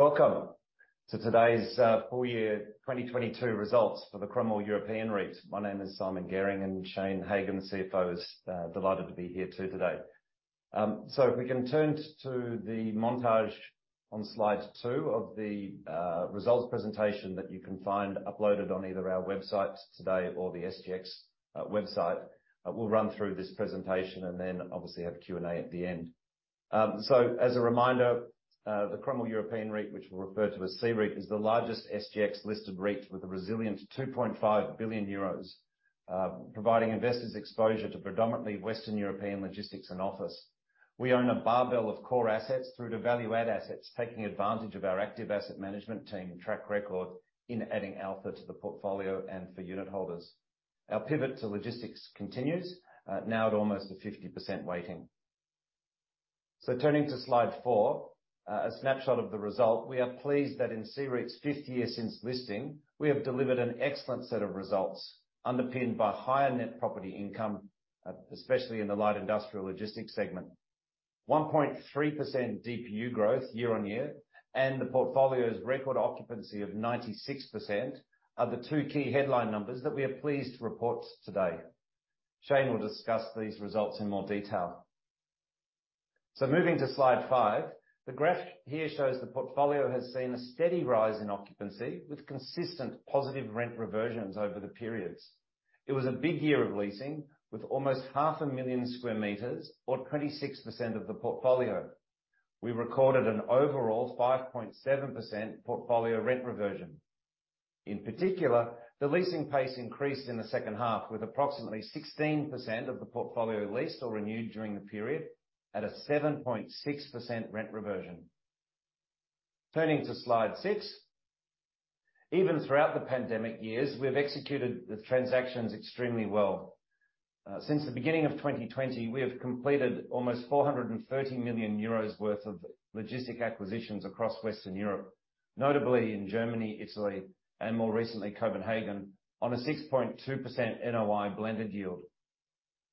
Welcome to today's full year 2022 results for the Cromwell European REIT. My name is Simon Garing. Shane Hagan, CFO, is delighted to be here too today. If we can turn to the montage on slide two of the results presentation that you can find uploaded on either our website today or the SGX website. We'll run through this presentation then obviously have a Q&A at the end. As a reminder, the Cromwell European REIT, which we'll refer to as CREIT, is the largest SGX-listed REIT with a resilient 2.5 billion euros, providing investors exposure to predominantly Western European logistics and office. We own a barbell of core assets through to value-add assets, taking advantage of our active asset management team track record in adding alpha to the portfolio and for unit holders. Our pivot to logistics continues, now at almost a 50% weighting. Turning to slide four, a snapshot of the result. We are pleased that in CREIT's 5th year since listing, we have delivered an excellent set of results underpinned by higher net property income, especially in the light industrial logistics segment. 1.3% DPU growth year-on-year and the portfolio's record occupancy of 96% are the two key headline numbers that we are pleased to report today. Shane will discuss these results in more detail. Moving to slide five. The graph here shows the portfolio has seen a steady rise in occupancy with consistent positive rent reversions over the periods. It was a big year of leasing, with almost half a million square meters or 26% of the portfolio. We recorded an overall 5.7% portfolio rent reversion. In particular, the leasing pace increased in the second half, with approximately 16% of the portfolio leased or renewed during the period at a 7.6% rent reversion. Turning to slide six. Even throughout the pandemic years, we have executed the transactions extremely well. Since the beginning of 2020, we have completed almost 430 million euros worth of logistic acquisitions across Western Europe, notably in Germany, Italy and more recently Copenhagen on a 6.2% NOI blended yield.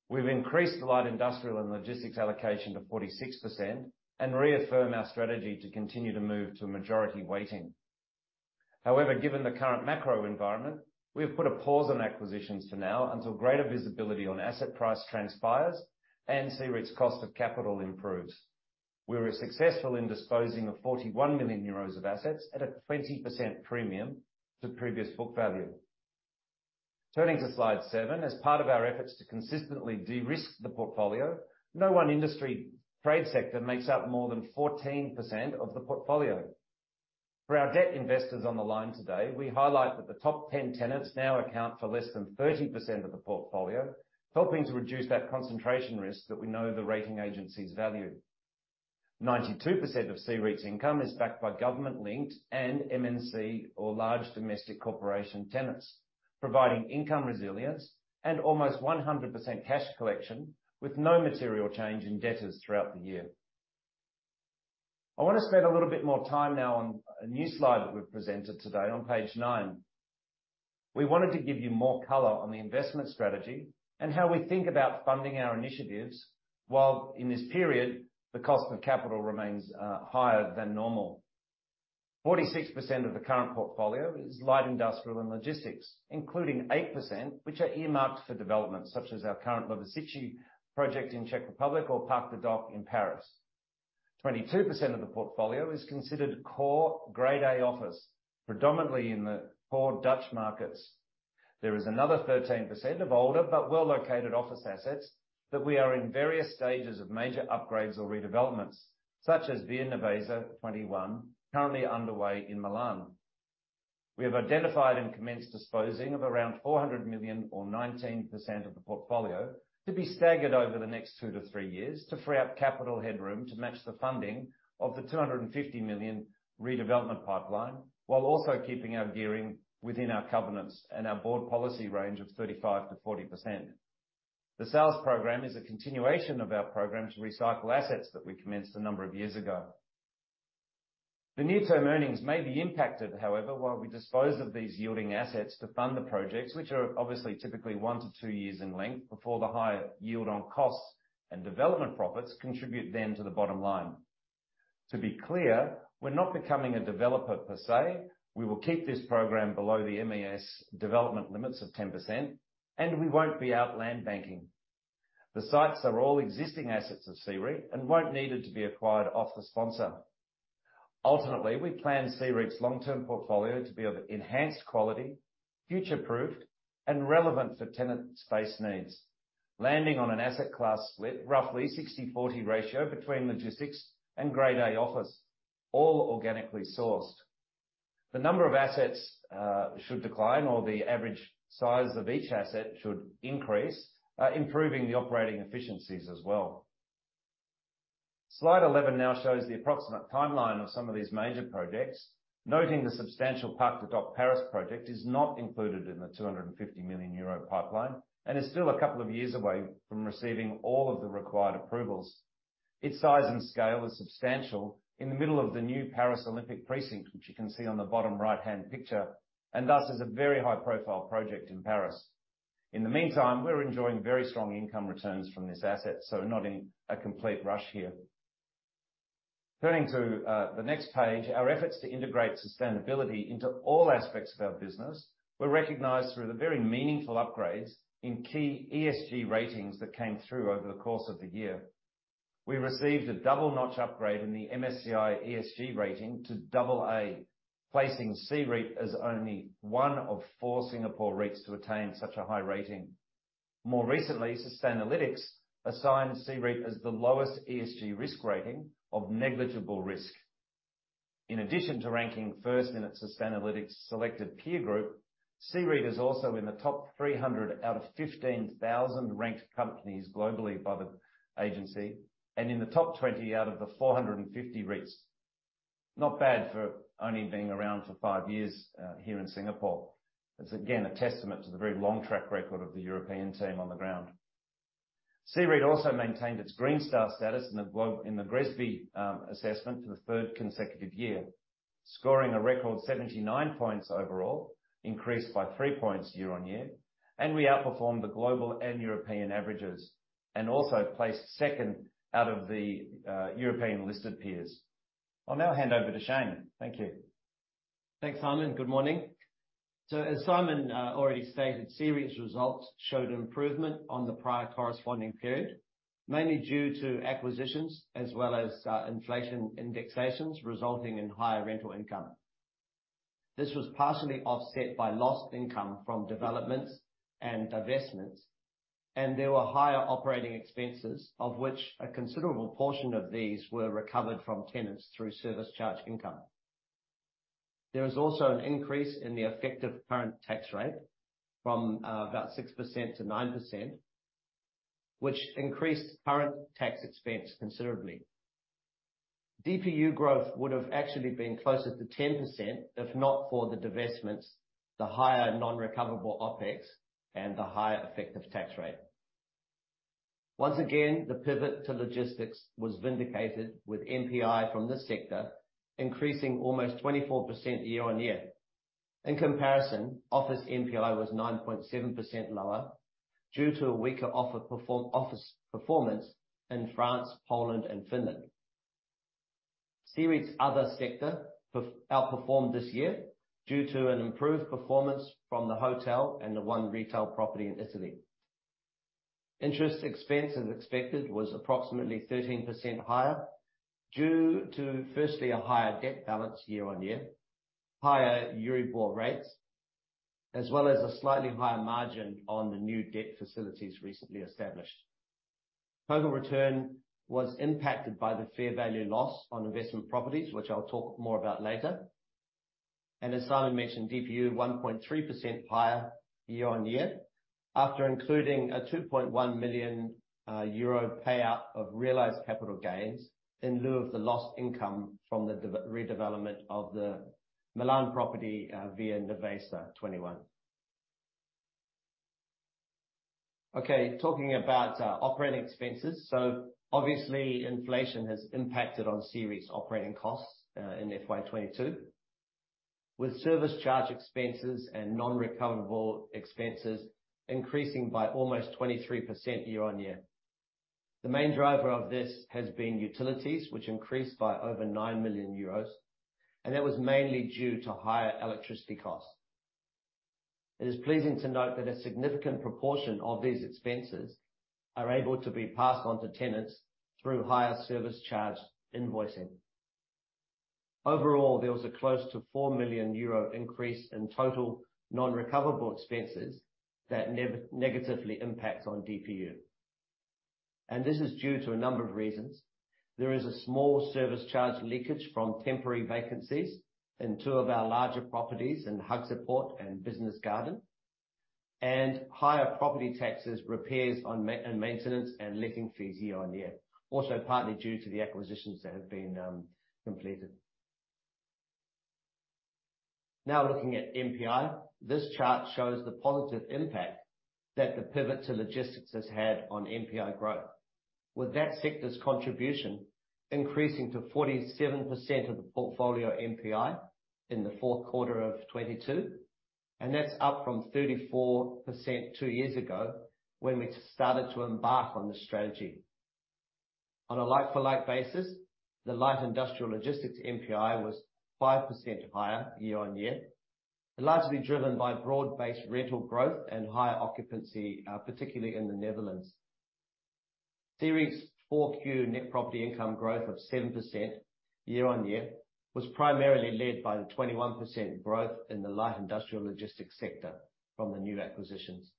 We've increased the light industrial and logistics allocation to 46% and reaffirm our strategy to continue to move to a majority weighting. However, given the current macro environment, we have put a pause on acquisitions for now until greater visibility on asset price transpires and CREIT's cost of capital improves. We were successful in disposing of 41 million euros of assets at a 20% premium to previous book value. Turning to slide seven, as part of our efforts to consistently de-risk the portfolio, no one industry trade sector makes up more than 14% of the portfolio. For our debt investors on the line today, we highlight that the top 10 tenants now account for less than 30% of the portfolio, helping to reduce that concentration risk that we know the rating agencies value. 92% of CREIT's income is backed by government linked and MNC or large domestic corporation tenants, providing income resilience and almost 100% cash collection, with no material change in debtors throughout the year. I wanna spend a little bit more time now on a new slide that we've presented today on page nine. We wanted to give you more color on the investment strategy and how we think about funding our initiatives, while in this period the cost of capital remains higher than normal. 46% of the current portfolio is light industrial and logistics, including 8%, which are earmarked for development, such as our current Lovosice project in Czech Republic or Parc de Dock in Paris. 22% of the portfolio is considered core Grade A office, predominantly in the core Dutch markets. There is another 13% of older but well-located office assets that we are in various stages of major upgrades or redevelopments, such as Via Nervesa 21, currently underway in Milan. We have identified and commenced disposing of around 400 million or 19% of the portfolio to be staggered over the next two to three years to free up capital headroom to match the funding of the 250 million redevelopment pipeline, while also keeping our gearing within our covenants and our board policy range of 35%-40%. The sales program is a continuation of our program to recycle assets that we commenced a number of years ago. The near-term earnings may be impacted, however, while we dispose of these yielding assets to fund the projects, which are obviously typically one to two years in length before the higher yield on costs and development profits contribute then to the bottom line. To be clear, we're not becoming a developer per se. We will keep this program below the MAS development limits of 10%. We won't be out land banking. The sites are all existing assets of CREIT and won't need it to be acquired off the sponsor. Ultimately, we plan CREIT's long-term portfolio to be of enhanced quality, future-proofed and relevant for tenant space needs, landing on an asset class split roughly 60/40 ratio between logistics and Grade A office, all organically sourced. The number of assets should decline or the average size of each asset should increase, improving the operating efficiencies as well. Slide 11 now shows the approximate timeline of some of these major projects. Noting the substantial Parc de Dock Paris project is not included in the 250 million euro pipeline and is still a couple of years away from receiving all of the required approvals. Its size and scale is substantial in the middle of the new Paris Olympic precinct, which you can see on the bottom right-hand picture, and thus is a very high-profile project in Paris. In the meantime, we're enjoying very strong income returns from this asset, so we're not in a complete rush here. Turning to the next page, our efforts to integrate sustainability into all aspects of our business were recognized through the very meaningful upgrades in key ESG ratings that came through over the course of the year. We received a double notch upgrade in the MSCI ESG rating to AA, placing CREIT as only one of four Singapore REITs to attain such a high rating. More recently, Sustainalytics assigned CREIT as the lowest ESG risk rating of negligible risk. In addition to ranking 1st in its Sustainalytics selected peer group, CREIT is also in the top 300 out of 15,000 ranked companies globally by the agency and in the top 20 out of the 450 REITs. Not bad for only being around for five years, here in Singapore. It's again, a testament to the very long track record of the European team on the ground. CREIT also maintained its green star status in the GRESB assessment for the third consecutive year, scoring a record 79 points overall, increased by 3 points year-on-year. We outperformed the global and European averages and also placed 2nd out of the European-listed peers. I'll now hand over to Shane. Thank you. Thanks, Simon. Good morning. As Simon already stated, CREIT's results showed improvement on the prior corresponding period, mainly due to acquisitions as well as inflation indexations resulting in higher rental income. This was partially offset by lost income from developments and divestments. There were higher operating expenses, of which a considerable portion of these were recovered from tenants through service charge income. There is also an increase in the effective current tax rate from about 6%-9%, which increased current tax expense considerably. DPU growth would have actually been closer to 10% if not for the divestments, the higher non-recoverable OpEx, and the higher effective tax rate. Once again, the pivot to logistics was vindicated with NPI from this sector, increasing almost 24% year-on-year. In comparison, office NPI was 9.7% lower due to a weaker office performance in France, Poland, and Finland. CREIT's other sector outperformed this year due to an improved performance from the hotel and the one retail property in Italy. Interest expense, as expected, was approximately 13% higher due to, firstly, a higher debt balance year-on-year, higher Euribor rates, as well as a slightly higher margin on the new debt facilities recently established. Total return was impacted by the fair value loss on investment properties, which I'll talk more about later. As Simon mentioned, DPU 1.3% higher year-on-year after including a 2.1 million euro payout of realized capital gains in lieu of the lost income from the redevelopment of the Milan property, Via Nervesa 21. Okay, talking about operating expenses. Obviously, inflation has impacted on CREIT's operating costs in FY 2022, with service charge expenses and non-recoverable expenses increasing by almost 23% year-on-year. The main driver of this has been utilities, which increased by over 9 million euros, and that was mainly due to higher electricity costs. It is pleasing to note that a significant proportion of these expenses are able to be passed on to tenants through higher service charge invoicing. Overall, there was a close to 4 million euro increase in total non-recoverable expenses that negatively impact on DPU. This is due to a number of reasons. There is a small service charge leakage from temporary vacancies in two of our larger properties in Haagse Poort and Business Garden. Higher property taxes, repairs and maintenance, and letting fees year-on-year, also partly due to the acquisitions that have been completed. Now looking at NPI. This chart shows the positive impact that the pivot to logistics has had on NPI growth. With that sector's contribution increasing to 47% of the portfolio NPI in the fourth quarter of 2022, and that's up from 34% two years ago when we started to embark on this strategy. On a like-for-like basis, the light industrial logistics NPI was 5% higher year-on-year, largely driven by broad-based rental growth and higher occupancy, particularly in the Netherlands. C-REIT's four Q net property income growth of 7% year-on-year was primarily led by the 21% growth in the light industrial logistics sector from the new acquisitions.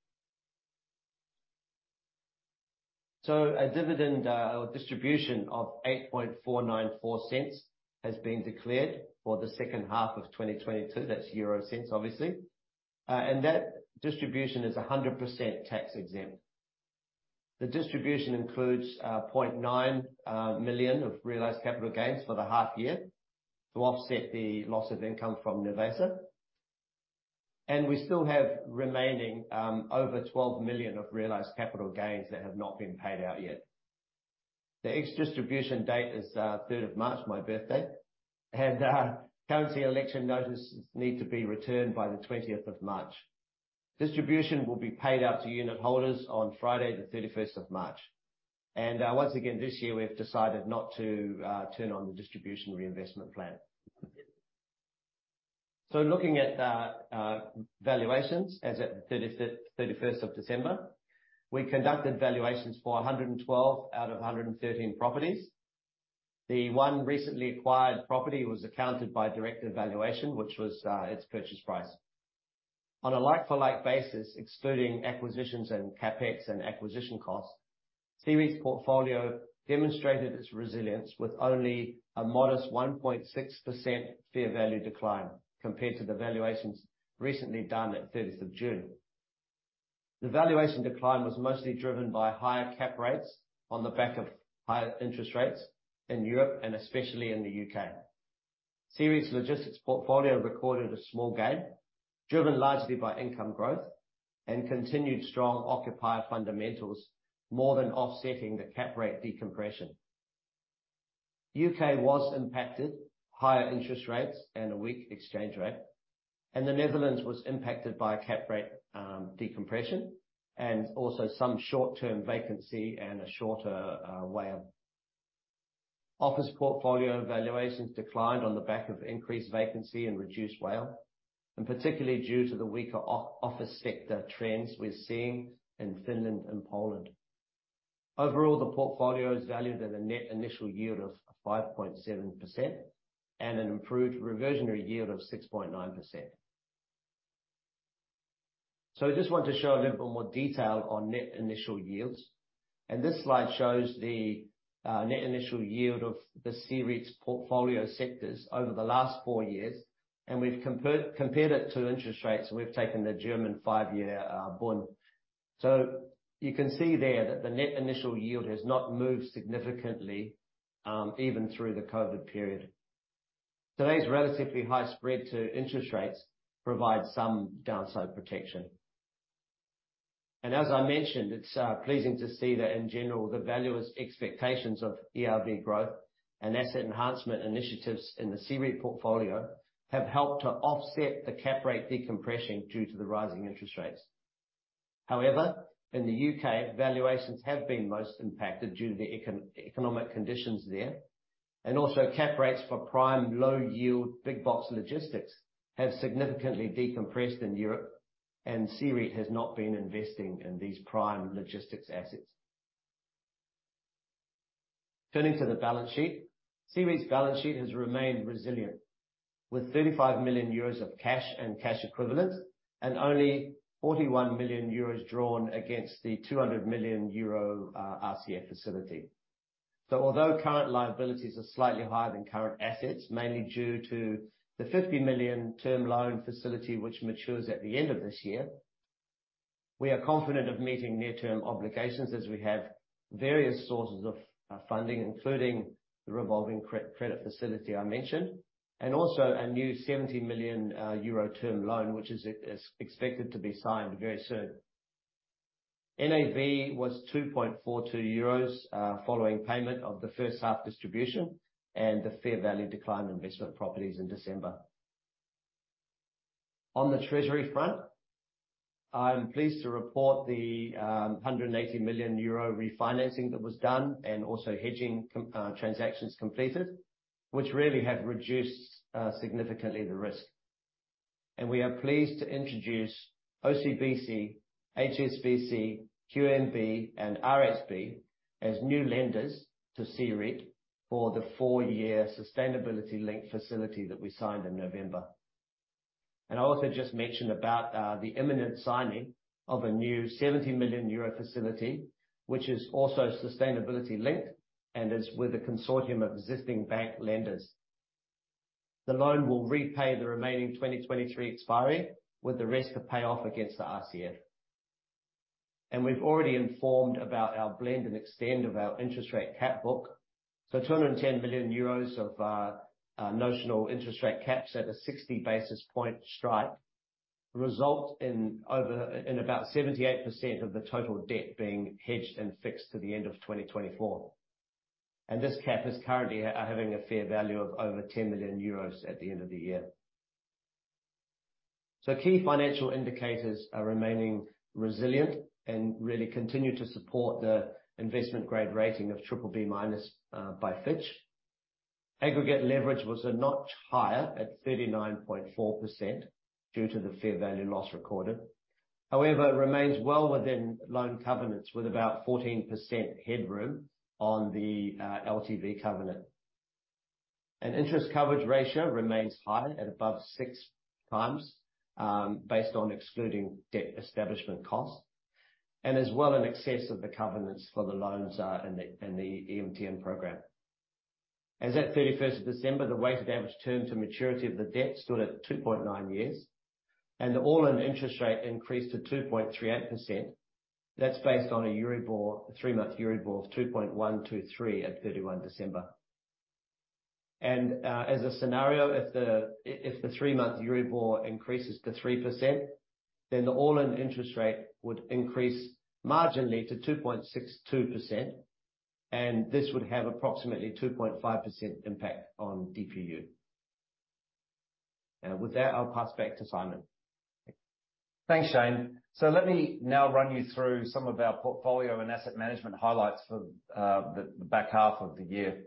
A dividend or distribution of 8.494 cents has been declared for the second half of 2022. That's EUR cents, obviously. That distribution is 100% tax-exempt. The distribution includes 0.9 million of realized capital gains for the half year to offset the loss of income from Nervesa. We still have remaining over 12 million of realized capital gains that have not been paid out yet. The ex-distribution date is 3rd of March, my birthday. Currency election notices need to be returned by the 20th of March. Distribution will be paid out to unit holders on Friday the 31st of March. Once again, this year, we have decided not to turn on the distribution reinvestment plan. Looking at valuations as at the 31st of December. We conducted valuations for 112 out of 113 properties. The 1 recently acquired property was accounted by direct valuation, which was its purchase price. On a like-for-like basis, excluding acquisitions and CapEx and acquisition costs, CREIT's portfolio demonstrated its resilience with only a modest 1.6% fair value decline compared to the valuations recently done at 30th of June. The valuation decline was mostly driven by higher cap rates on the back of higher interest rates in Europe and especially in the U.K. CREIT's logistics portfolio recorded a small gain, driven largely by income growth and continued strong occupier fundamentals, more than offsetting the cap rate decompression. U.K. was impacted, higher interest rates and a weak exchange rate. The Netherlands was impacted by cap rate decompression and also some short-term vacancy and a shorter WALE. Office portfolio valuations declined on the back of increased vacancy and reduced WALE, particularly due to the weaker office sector trends we're seeing in Finland and Poland. Overall, the portfolio is valued at a net initial yield of 5.7% and an improved reversionary yield of 6.9%. I just want to show a little bit more detail on net initial yields. This slide shows the net initial yield of the CREIT's portfolio sectors over the last four years, and we've compared it to interest rates, so we've taken the German five-year Bund. You can see there that the net initial yield has not moved significantly, even through the COVID period. Today's relatively high spread to interest rates provide some downside protection. As I mentioned, it's pleasing to see that in general, the valuer's expectations of ERV growth and asset enhancement initiatives in the CREIT portfolio have helped to offset the cap rate decompression due to the rising interest rates. However, in the U.K., valuations have been most impacted due to the economic conditions there. Cap rates for prime low yield big box logistics have significantly decompressed in Europe, and CREIT has not been investing in these prime logistics assets. Turning to the balance sheet. CREIT's balance sheet has remained resilient, with 35 million euros of cash and cash equivalent and only 41 million euros drawn against the 200 million euro RCF facility. Although current liabilities are slightly higher than current assets, mainly due to the 50 million term loan facility which matures at the end of this year, we are confident of meeting near-term obligations as we have various sources of funding, including the revolving credit facility I mentioned, and also a new 70 million euro term loan, which is expected to be signed very soon. NAV was 2.42 euros, following payment of the first half distribution and the fair value decline investment properties in December. On the treasury front, I'm pleased to report the 180 million euro refinancing that was done and also hedging transactions completed, which really have reduced significantly the risk. We are pleased to introduce OCBC, HSBC, QNB, and RHB as new lenders to CREIT for the four-year sustainability-linked facility that we signed in November. I also just mentioned about the imminent signing of a new 70 million euro facility, which is also sustainability-linked and is with a consortium of existing bank lenders. The loan will repay the remaining 2023 expiry, with the rest to pay off against the RCF. We've already informed about our blend and extend of our interest rate cap book. 210 billion euros of notional interest rate caps at a 60 basis point strike result in over, in about 78% of the total debt being hedged and fixed to the end of 2024. This cap is currently having a fair value of over 10 million euros at the end of the year. Key financial indicators are remaining resilient and really continue to support the investment grade rating of BBB- by Fitch. Aggregate leverage was a notch higher at 39.4% due to the fair value loss recorded. However, it remains well within loan covenants with about 14% headroom on the LTV covenant. An interest coverage ratio remains high at above 6x, based on excluding debt establishment costs, and is well in excess of the covenants for the loans in the EMTN program. As at 31st of December, the weighted average term to maturity of the debt stood at 2.9 years, and the all-in interest rate increased to 2.38%. That's based on a Euribor, three-month Euribor of 2.123 at 31 December. As a scenario, if the three-month Euribor increases to 3%, then the all-in interest rate would increase marginally to 2.62%, and this would have approximately 2.5% impact on DPU. With that, I'll pass back to Simon. Thanks, Shane. Let me now run you through some of our portfolio and asset management highlights for the back half of the year.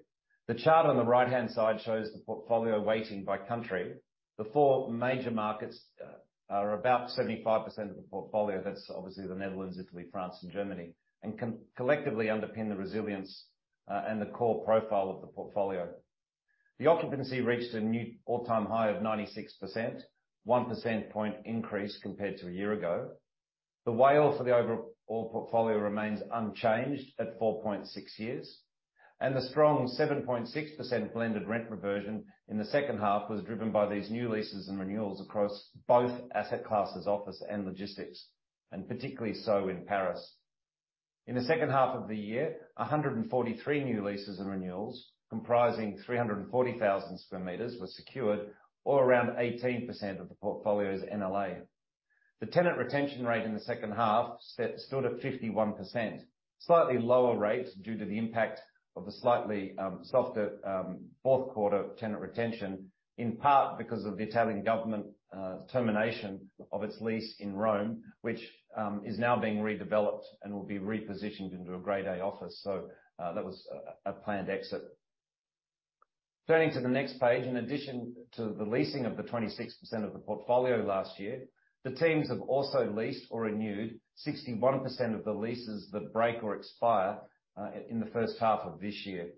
The chart on the right-hand side shows the portfolio weighting by country. The four major markets are about 75% of the portfolio. That's obviously the Netherlands, Italy, France and Germany, and collectively underpin the resilience and the core profile of the portfolio. The occupancy reached a new all-time high of 96%, one percent point increase compared to a year ago. The WALE for the overall portfolio remains unchanged at 4.6 years, and the strong 7.6% blended rent reversion in the second half was driven by these new leases and renewals across both asset classes, office and logistics, and particularly so in Paris. In the second half of the year, 143 new leases and renewals comprising 340,000 square meters were secured, or around 18% of the portfolio's NLA. The tenant retention rate in the second half set, stood at 51%, slightly lower rates due to the impact of the slightly softer fourth quarter tenant retention, in part because of the Italian government termination of its lease in Rome, which is now being redeveloped and will be repositioned into a grade A office. That was a planned exit. Turning to the next page, in addition to the leasing of the 26% of the portfolio last year, the teams have also leased or renewed 61% of the leases that break or expire in the first half of this year.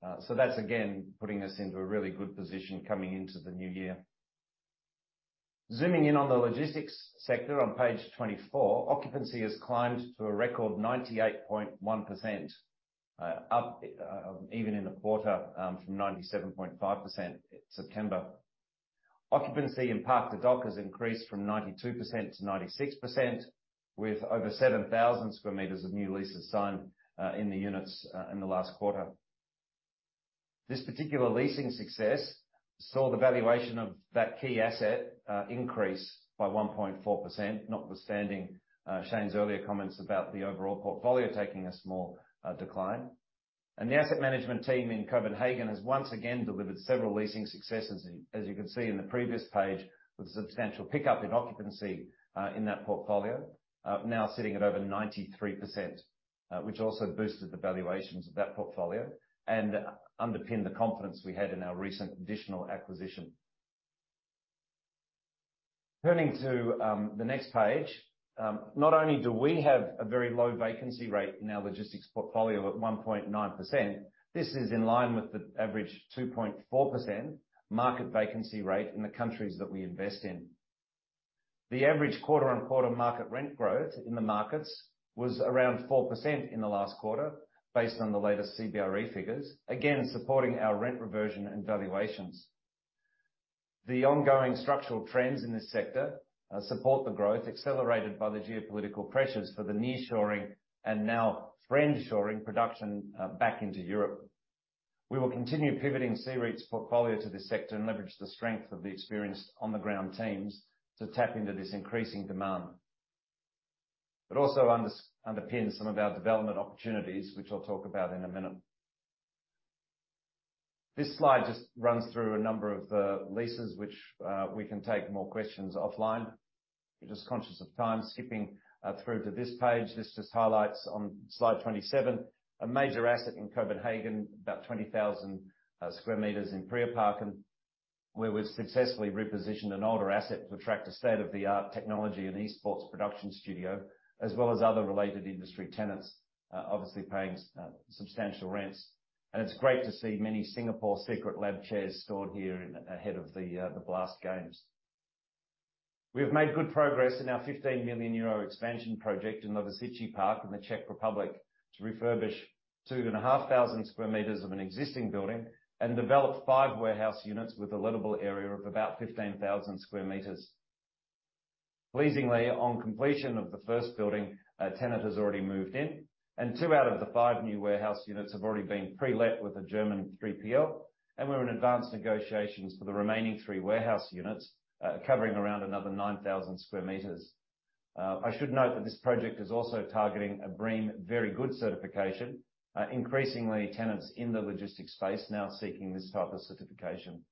That's again, putting us into a really good position coming into the new year. Zooming in on the logistics sector on page 24, occupancy has climbed to a record 98.1%, up even in the quarter, from 97.5% September. Occupancy in Parc de Dock has increased from 92% to 96%, with over 7,000 sq m of new leases signed, in the units, in the last quarter. This particular leasing success saw the valuation of that key asset, increase by 1.4%, notwithstanding, Shane's earlier comments about the overall portfolio taking a small decline. The asset management team in Copenhagen has once again delivered several leasing successes, as you can see in the previous page, with a substantial pickup in occupancy in that portfolio, now sitting at over 93%, which also boosted the valuations of that portfolio and underpinned the confidence we had in our recent additional acquisition. Turning to the next page, not only do we have a very low vacancy rate in our logistics portfolio at 1.9%, this is in line with the average 2.4% market vacancy rate in the countries that we invest in. The average quarter-on-quarter market rent growth in the markets was around 4% in the last quarter based on the latest CBRE figures, again, supporting our rent reversion and valuations. The ongoing structural trends in this sector support the growth accelerated by the geopolitical pressures for the nearshoring and now friendshoring production back into Europe. We will continue pivoting CREIT's portfolio to this sector and leverage the strength of the experienced on-the-ground teams to tap into this increasing demand. It also underpins some of our development opportunities, which I'll talk about in a minute. This slide just runs through a number of the leases which we can take more questions offline. We're just conscious of time skipping through to this page. This just highlights on slide 27, a major asset in Copenhagen, about 20,000 square meters in Priorparken, where we've successfully repositioned an older asset to attract a state-of-the-art technology and esports production studio, as well as other related industry tenants, obviously paying substantial rents. It's great to see many Singapore Secretlab chairs stored here in, ahead of the BLAST games. We have made good progress in our 15 million euro expansion project in Lovosice Park in the Czech Republic to refurbish 2,500 square meters of an existing building and develop five warehouse units with a lettable area of about 15,000 square meters. Pleasingly, on completion of the first building, a tenant has already moved in, and 2 out of the 5 new warehouse units have already been pre-let with a German 3PL, and we're in advanced negotiations for the remaining three warehouse units, covering around another 9,000 square meters. I should note that this project is also targeting a BREEAM very good certification, increasingly tenants in the logistics space now seeking this type of certification.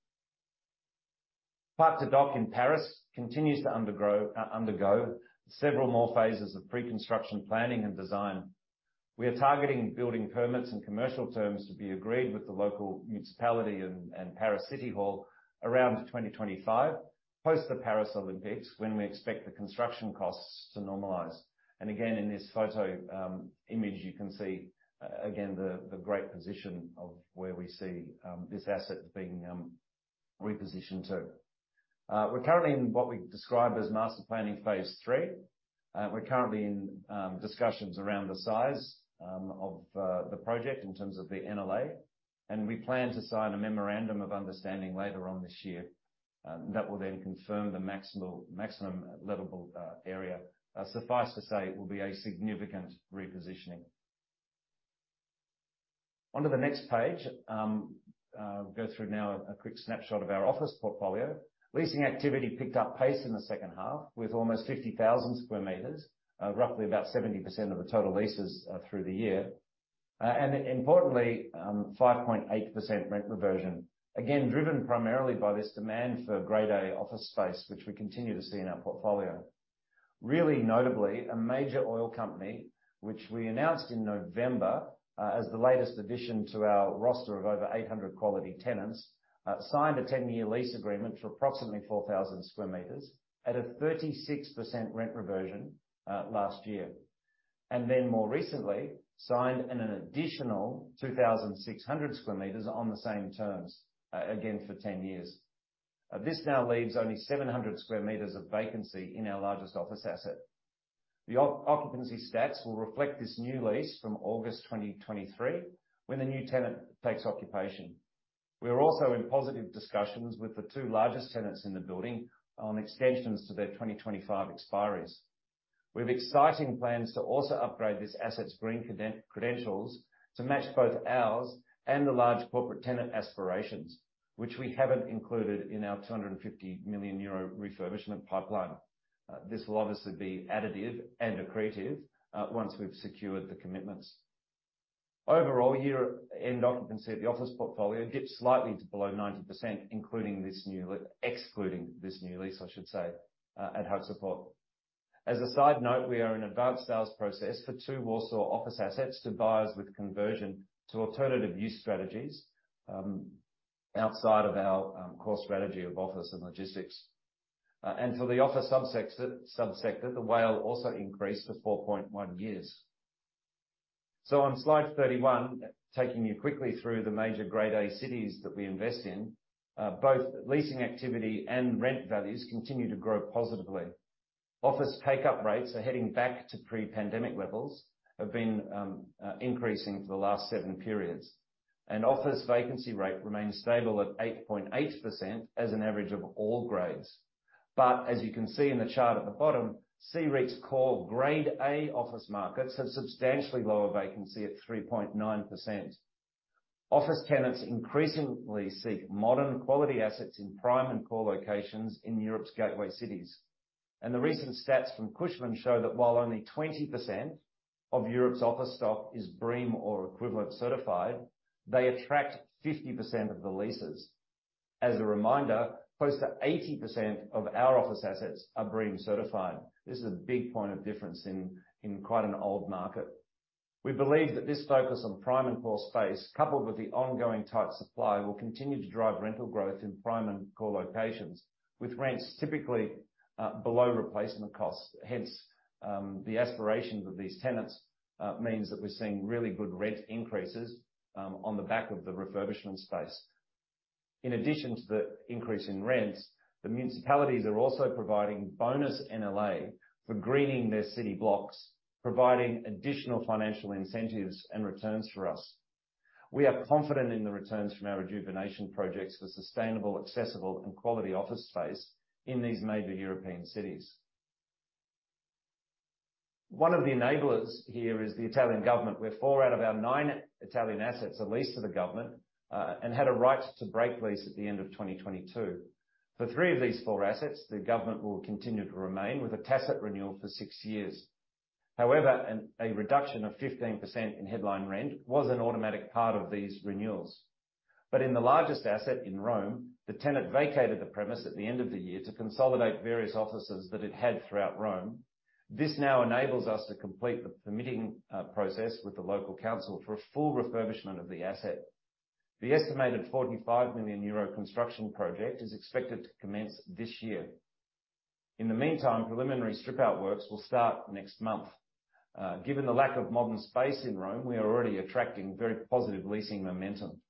Parc de Dock in Paris continues to undergo several more phases of pre-construction planning and design. We are targeting building permits and commercial terms to be agreed with the local municipality and Paris City Hall around 2025, post the Paris Olympics, when we expect the construction costs to normalize. Again, in this photo, image, you can see again, the great position of where we see this asset being repositioned to. We're currently in what we've described as master planning phase III. We're currently in discussions around the size of the project in terms of the NLA, we plan to sign a memorandum of understanding later on this year that will then confirm the maximum lettable area. Suffice to say it will be a significant repositioning. On to the next page, we'll go through now a quick snapshot of our office portfolio. Leasing activity picked up pace in the second half with almost 50,000 square meters, roughly about 70% of the total leases through the year. Importantly, 5.8% rent reversion, again, driven primarily by this demand for Grade-A office space, which we continue to see in our portfolio. Really notably, a major oil company, which we announced in November, as the latest addition to our roster of over 800 quality tenants, signed a 10-year lease agreement for approximately 4,000 square meters at a 36% rent reversion last year. More recently signed an additional 2,600 square meters on the same terms, again for 10 years. This now leaves only 700 square meters of vacancy in our largest office asset. The occupancy stats will reflect this new lease from August 2023 when the new tenant takes occupation. We are also in positive discussions with the two largest tenants in the building on extensions to their 2025 expiries. We have exciting plans to also upgrade this asset's green credentials to match both ours and the large corporate tenant aspirations, which we haven't included in our 250 million euro refurbishment pipeline. This will obviously be additive and accretive once we've secured the commitments. Overall, year-end occupancy at the office portfolio dips slightly to below 90%, excluding this new lease, I should say, at Hub Support. As a side note, we are in advanced sales process for two Warsaw office assets to buyers with conversion to alternative use strategies, outside of our core strategy of office and logistics. For the office subsector, the WALE also increased to 4.1 years. On slide 31, taking you quickly through the major Grade-A cities that we invest in, both leasing activity and rent values continue to grow positively. Office take-up rates are heading back to pre-pandemic levels, have been increasing for the last seven periods. Office vacancy rate remains stable at 8.8% as an average of all grades. As you can see in the chart at the bottom, CREIT's core Grade-A office markets have substantially lower vacancy at 3.9%. Office tenants increasingly seek modern quality assets in prime and core locations in Europe's gateway cities. The recent stats from Cushman show that while only 20% of Europe's office stock is BREEAM or equivalent certified, they attract 50% of the leases. As a reminder, close to 80% of our office assets are BREEAM certified. This is a big point of difference in quite an old market. We believe that this focus on prime and core space, coupled with the ongoing tight supply, will continue to drive rental growth in prime and core locations, with rents typically below replacement costs. The aspirations of these tenants means that we're seeing really good rent increases on the back of the refurbishment space. In addition to the increase in rents, the municipalities are also providing bonus NLA for greening their city blocks, providing additional financial incentives and returns for us. We are confident in the returns from our rejuvenation projects for sustainable, accessible and quality office space in these major European cities. One of the enablers here is the Italian government, where four out of our nine Italian assets are leased to the government and had a right to break lease at the end of 2022. For three of these four assets, the government will continue to remain with a tacit renewal for six years. However, a reduction of 15% in headline rent was an automatic part of these renewals. In the largest asset in Rome, the tenant vacated the premise at the end of the year to consolidate various offices that it had throughout Rome. This now enables us to complete the permitting process with the local council for a full refurbishment of the asset. The estimated 45 million euro construction project is expected to commence this year. In the meantime, preliminary strip out works will start next month. Given the lack of modern space in Rome, we are already attracting very positive leasing momentum.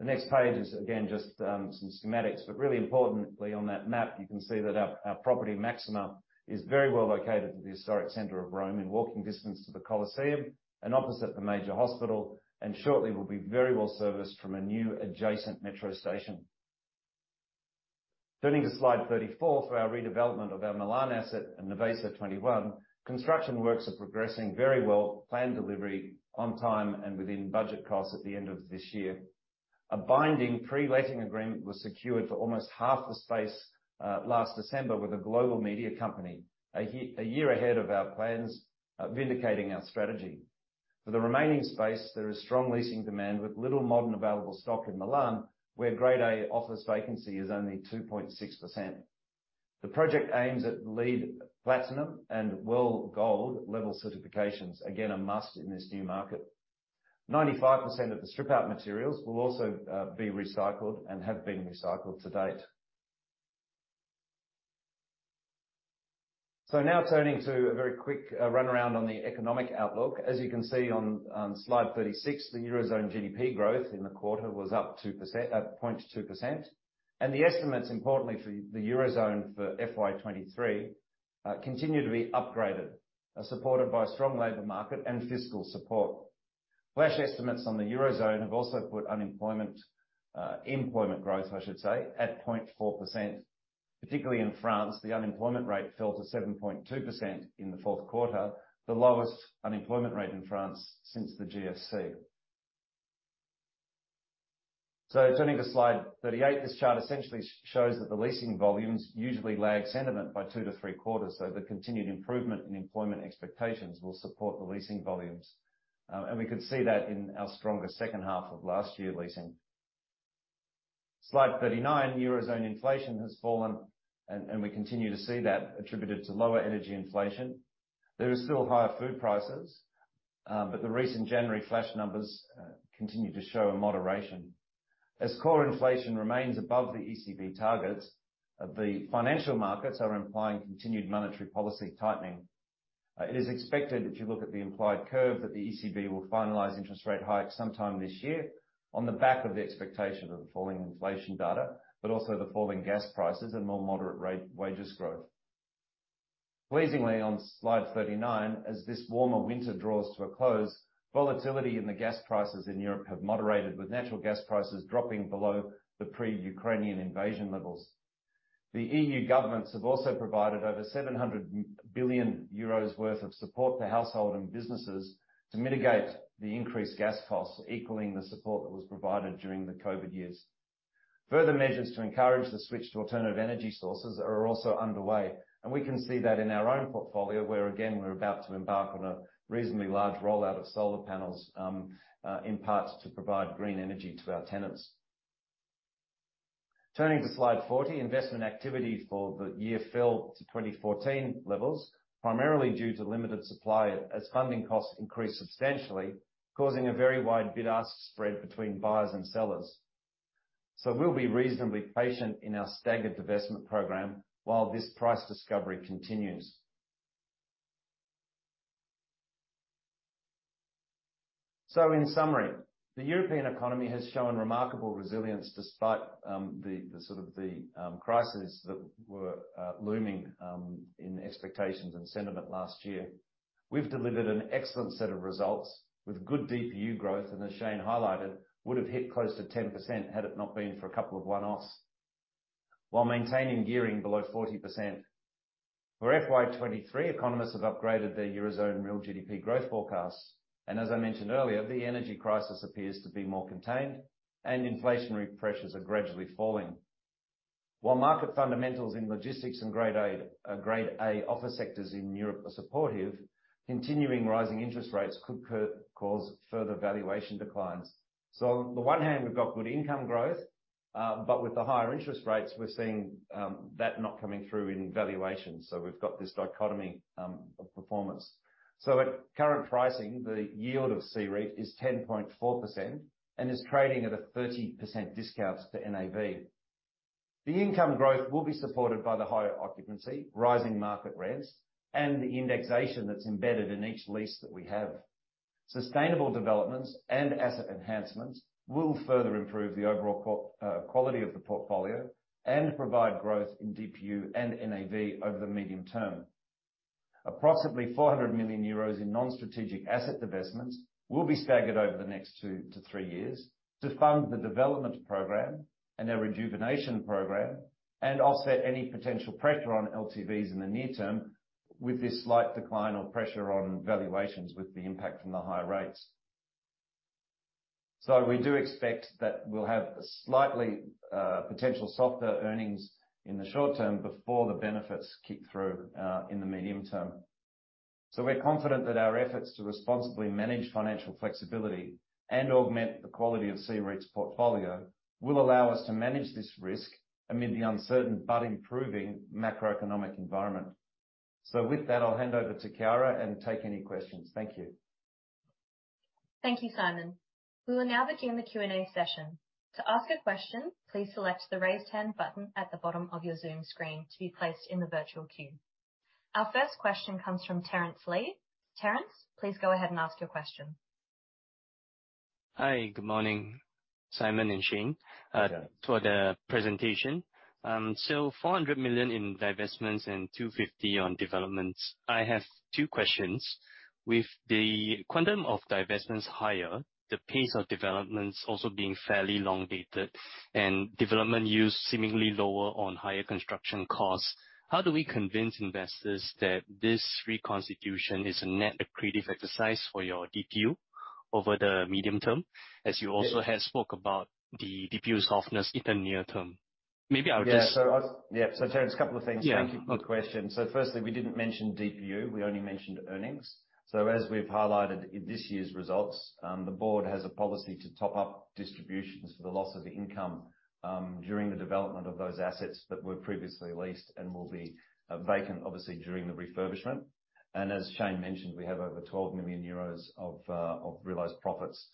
The next page is again, just some schematics, but really importantly, on that map, you can see that our property, Maxima, is very well located to the historic center of Rome in walking distance to the Colosseum and opposite the major hospital, and shortly will be very well serviced from a new adjacent metro station. Turning to slide 34 for our redevelopment of our Milan asset, Nervesa 21, construction works are progressing very well, planned delivery on time and within budget costs at the end of this year. A binding pre-letting agreement was secured for almost half the space last December with a global media company, a year ahead of our plans, vindicating our strategy. For the remaining space, there is strong leasing demand with little modern available stock in Milan, where Grade-A office vacancy is only 2.6%. The project aims at LEED Platinum and WELL Gold level certifications, again, a must in this new market. 95% of the strip out materials will also be recycled and have been recycled to date. Now turning to a very quick run around on the economic outlook. As you can see on slide 36, the Eurozone GDP growth in the quarter was up 0.2%. The estimates, importantly for the Eurozone for FY 2023, continue to be upgraded, supported by strong labor market and fiscal support. Flash estimates on the Eurozone have also put unemployment, employment growth, I should say, at 0.4%. Particularly in France, the unemployment rate fell to 7.2% in the fourth quarter, the lowest unemployment rate in France since the GFC. Turning to slide 38, this chart essentially shows that the leasing volumes usually lag sentiment by two to three quarters. The continued improvement in employment expectations will support the leasing volumes. We could see that in our stronger second half of last year leasing. Slide 39, Eurozone inflation has fallen, we continue to see that attributed to lower energy inflation. There is still higher food prices, the recent January flash numbers continue to show a moderation. As core inflation remains above the ECB targets, the financial markets are implying continued monetary policy tightening. It is expected, if you look at the implied curve, that the ECB will finalize interest rate hikes sometime this year on the back of the expectation of the falling inflation data, but also the falling gas prices and more moderate wages growth. Pleasingly, on slide 39, as this warmer winter draws to a close, volatility in the gas prices in Europe have moderated, with natural gas prices dropping below the pre-Ukrainian invasion levels. The EU governments have also provided over 700 billion euros worth of support to household and businesses to mitigate the increased gas costs, equaling the support that was provided during the COVID years. Further measures to encourage the switch to alternative energy sources are also underway. We can see that in our own portfolio, where again, we're about to embark on a reasonably large rollout of solar panels in part to provide green energy to our tenants. Turning to slide 40, investment activity for the year fell to 2014 levels, primarily due to limited supply as funding costs increased substantially, causing a very wide bid-ask spread between buyers and sellers. We'll be reasonably patient in our staggered divestment program while this price discovery continues. In summary, the European economy has shown remarkable resilience despite the sort of the crises that were looming in expectations and sentiment last year. We've delivered an excellent set of results with good DPU growth, and as Shane highlighted, would have hit close to 10% had it not been for a couple of one-offs, while maintaining gearing below 40%. For FY 2023, economists have upgraded their Eurozone real GDP growth forecasts, and as I mentioned earlier, the energy crisis appears to be more contained and inflationary pressures are gradually falling. Market fundamentals in logistics and Grade A office sectors in Europe are supportive, continuing rising interest rates could cause further valuation declines. On the one hand, we've got good income growth, but with the higher interest rates, we're seeing that not coming through in valuations. We've got this dichotomy of performance. At current pricing, the yield of C-REIT is 10.4% and is trading at a 30% discount to NAV. The income growth will be supported by the higher occupancy, rising market rents, and the indexation that's embedded in each lease that we have. Sustainable developments and asset enhancements will further improve the overall quality of the portfolio and provide growth in DPU and NAV over the medium term. Approximately 400 million euros in non-strategic asset divestments will be staggered over the next two to three years to fund the development program and our rejuvenation program and offset any potential pressure on LTVs in the near term with this slight decline or pressure on valuations with the impact from the higher rates. We do expect that we'll have slightly potential softer earnings in the short term before the benefits kick through in the medium term. We're confident that our efforts to responsibly manage financial flexibility and augment the quality of CREIT's portfolio will allow us to manage this risk amid the uncertain but improving macroeconomic environment. With that, I'll hand over to Chiara and take any questions. Thank you. Thank you, Simon. We will now begin the Q&A session. To ask a question, please select the Raise Hand button at the bottom of your Zoom screen to be placed in the virtual queue. Our first question comes from Terence Lee. Terence, please go ahead and ask your question. Hi, good morning, Simon and Shane, to the presentation. 400 million in divestments and 250 million on developments. I have two questions. With the quantum of divestments higher, the pace of developments also being fairly long dated, and development use seemingly lower on higher construction costs, how do we convince investors that this reconstitution is a net accretive exercise for your DPU over the medium term, as you also had spoke about the DPU softness in the near term? Terence, a couple of things. Yeah. Thank you for the question. Firstly, we didn't mention DPU, we only mentioned earnings. As we've highlighted in this year's results, the board has a policy to top up distributions for the loss of income during the development of those assets that were previously leased and will be vacant, obviously, during the refurbishment. As Shane mentioned, we have over 12 million euros of realized profits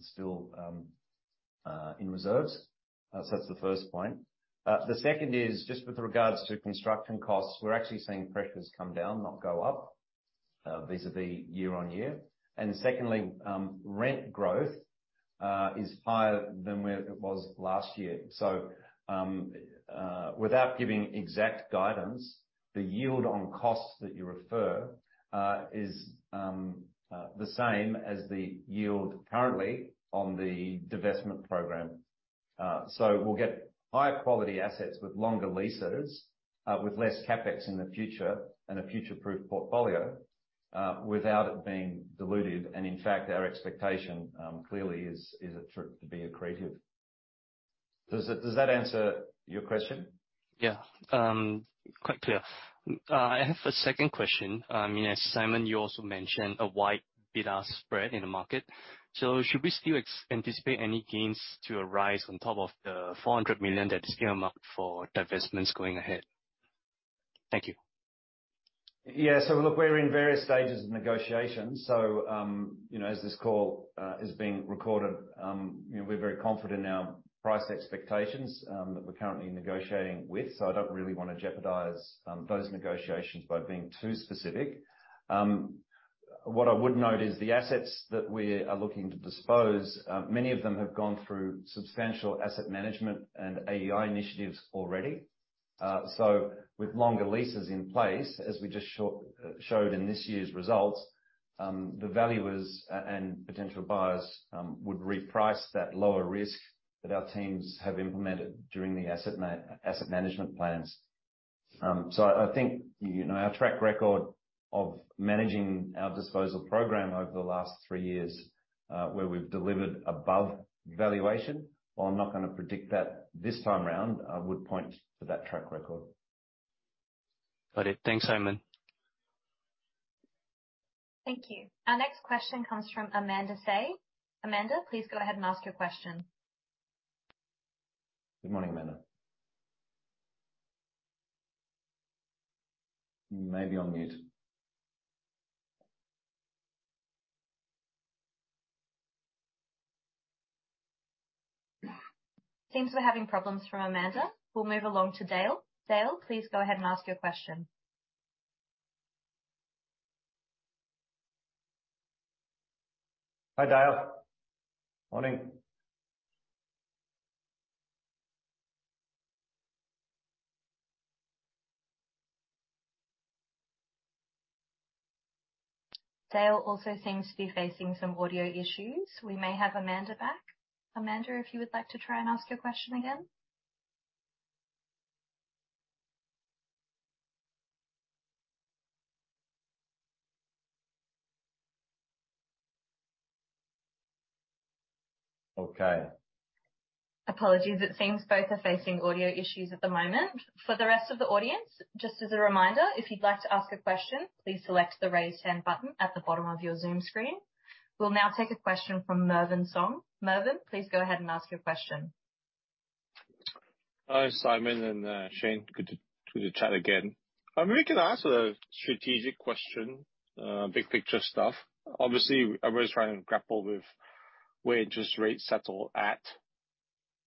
still in reserves. That's the first point. The second is just with regards to construction costs, we're actually seeing pressures come down, not go up, vis-a-vis year on year. Secondly, rent growth is higher than where it was last year. Without giving exact guidance, the yield on costs that you refer is the same as the yield currently on the divestment program. We'll get high quality assets with longer leases, with less CapEx in the future and a future-proof portfolio, without it being diluted. In fact, our expectation, clearly is it for it to be accretive. Does that answer your question? Yeah. Quite clear. I have a second question. I mean, as Simon, you also mentioned a wide bid-ask spread in the market. Should we still anticipate any gains to arise on top of the 400 million that is earmarked for divestments going ahead? Thank you. Yes look, we're in various stages of negotiations, you know, as this call is being recorded, you know, we're very confident in our price expectations that we're currently negotiating with. I don't really wanna jeopardize those negotiations by being too specific. What I would note is the assets that we are looking to dispose, many of them have gone through substantial asset management and AEI initiatives already. With longer leases in place, as we just showed in this year's results, the valuers and potential buyers would reprice that lower risk that our teams have implemented during the asset management plans. I think, you know, our track record of managing our disposal program over the last three years, where we've delivered above valuation. While I'm not gonna predict that this time around, I would point to that track record. Got it. Thanks, Simon. Thank you. Our next question comes from Amanda S. Amanda, please go ahead and ask your question. Good morning, Amanda. You may be on mute. Seems we're having problems from Amanda. We'll move along to Dale. Dale, please go ahead and ask your question. Hi, Dale. Morning. Dale also seems to be facing some audio issues. We may have Amanda back. Amanda, if you would like to try and ask your question again. Okay. Apologies. It seems both are facing audio issues at the moment. For the rest of the audience, just as a reminder, if you'd like to ask a question, please select the Raise Hand button at the bottom of your Zoom screen. We'll now take a question from Mervin Song. Mervin, please go ahead and ask your question. Hi, Simon and Shane. Good to chat again. If we can ask a strategic question, big picture stuff. Obviously, everybody's trying to grapple with where interest rates settle at.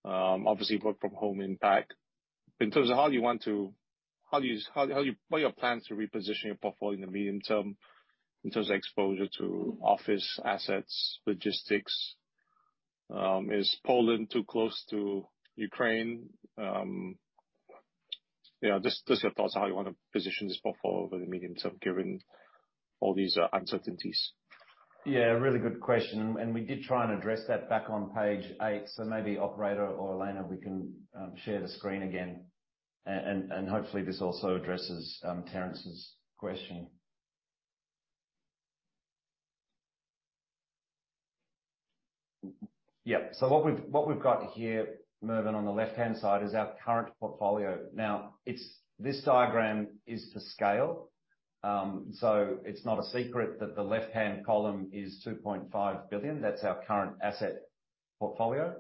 Obviously work from home impact. In terms of how you want to reposition your portfolio in the medium term in terms of exposure to office assets, logistics? Is Poland too close to Ukraine? Yeah, just your thoughts on how you wanna position this portfolio over the medium term, given all these uncertainties. Yeah, really good question. We did try and address that back on page eight, so maybe Operator or Elena, we can share the screen again. Hopefully this also addresses Terence's question. Yeah. What we've got here, Mervin, on the left-hand side is our current portfolio. This diagram is to scale. It's not a secret that the left-hand column is 2.5 billion. That's our current asset portfolio.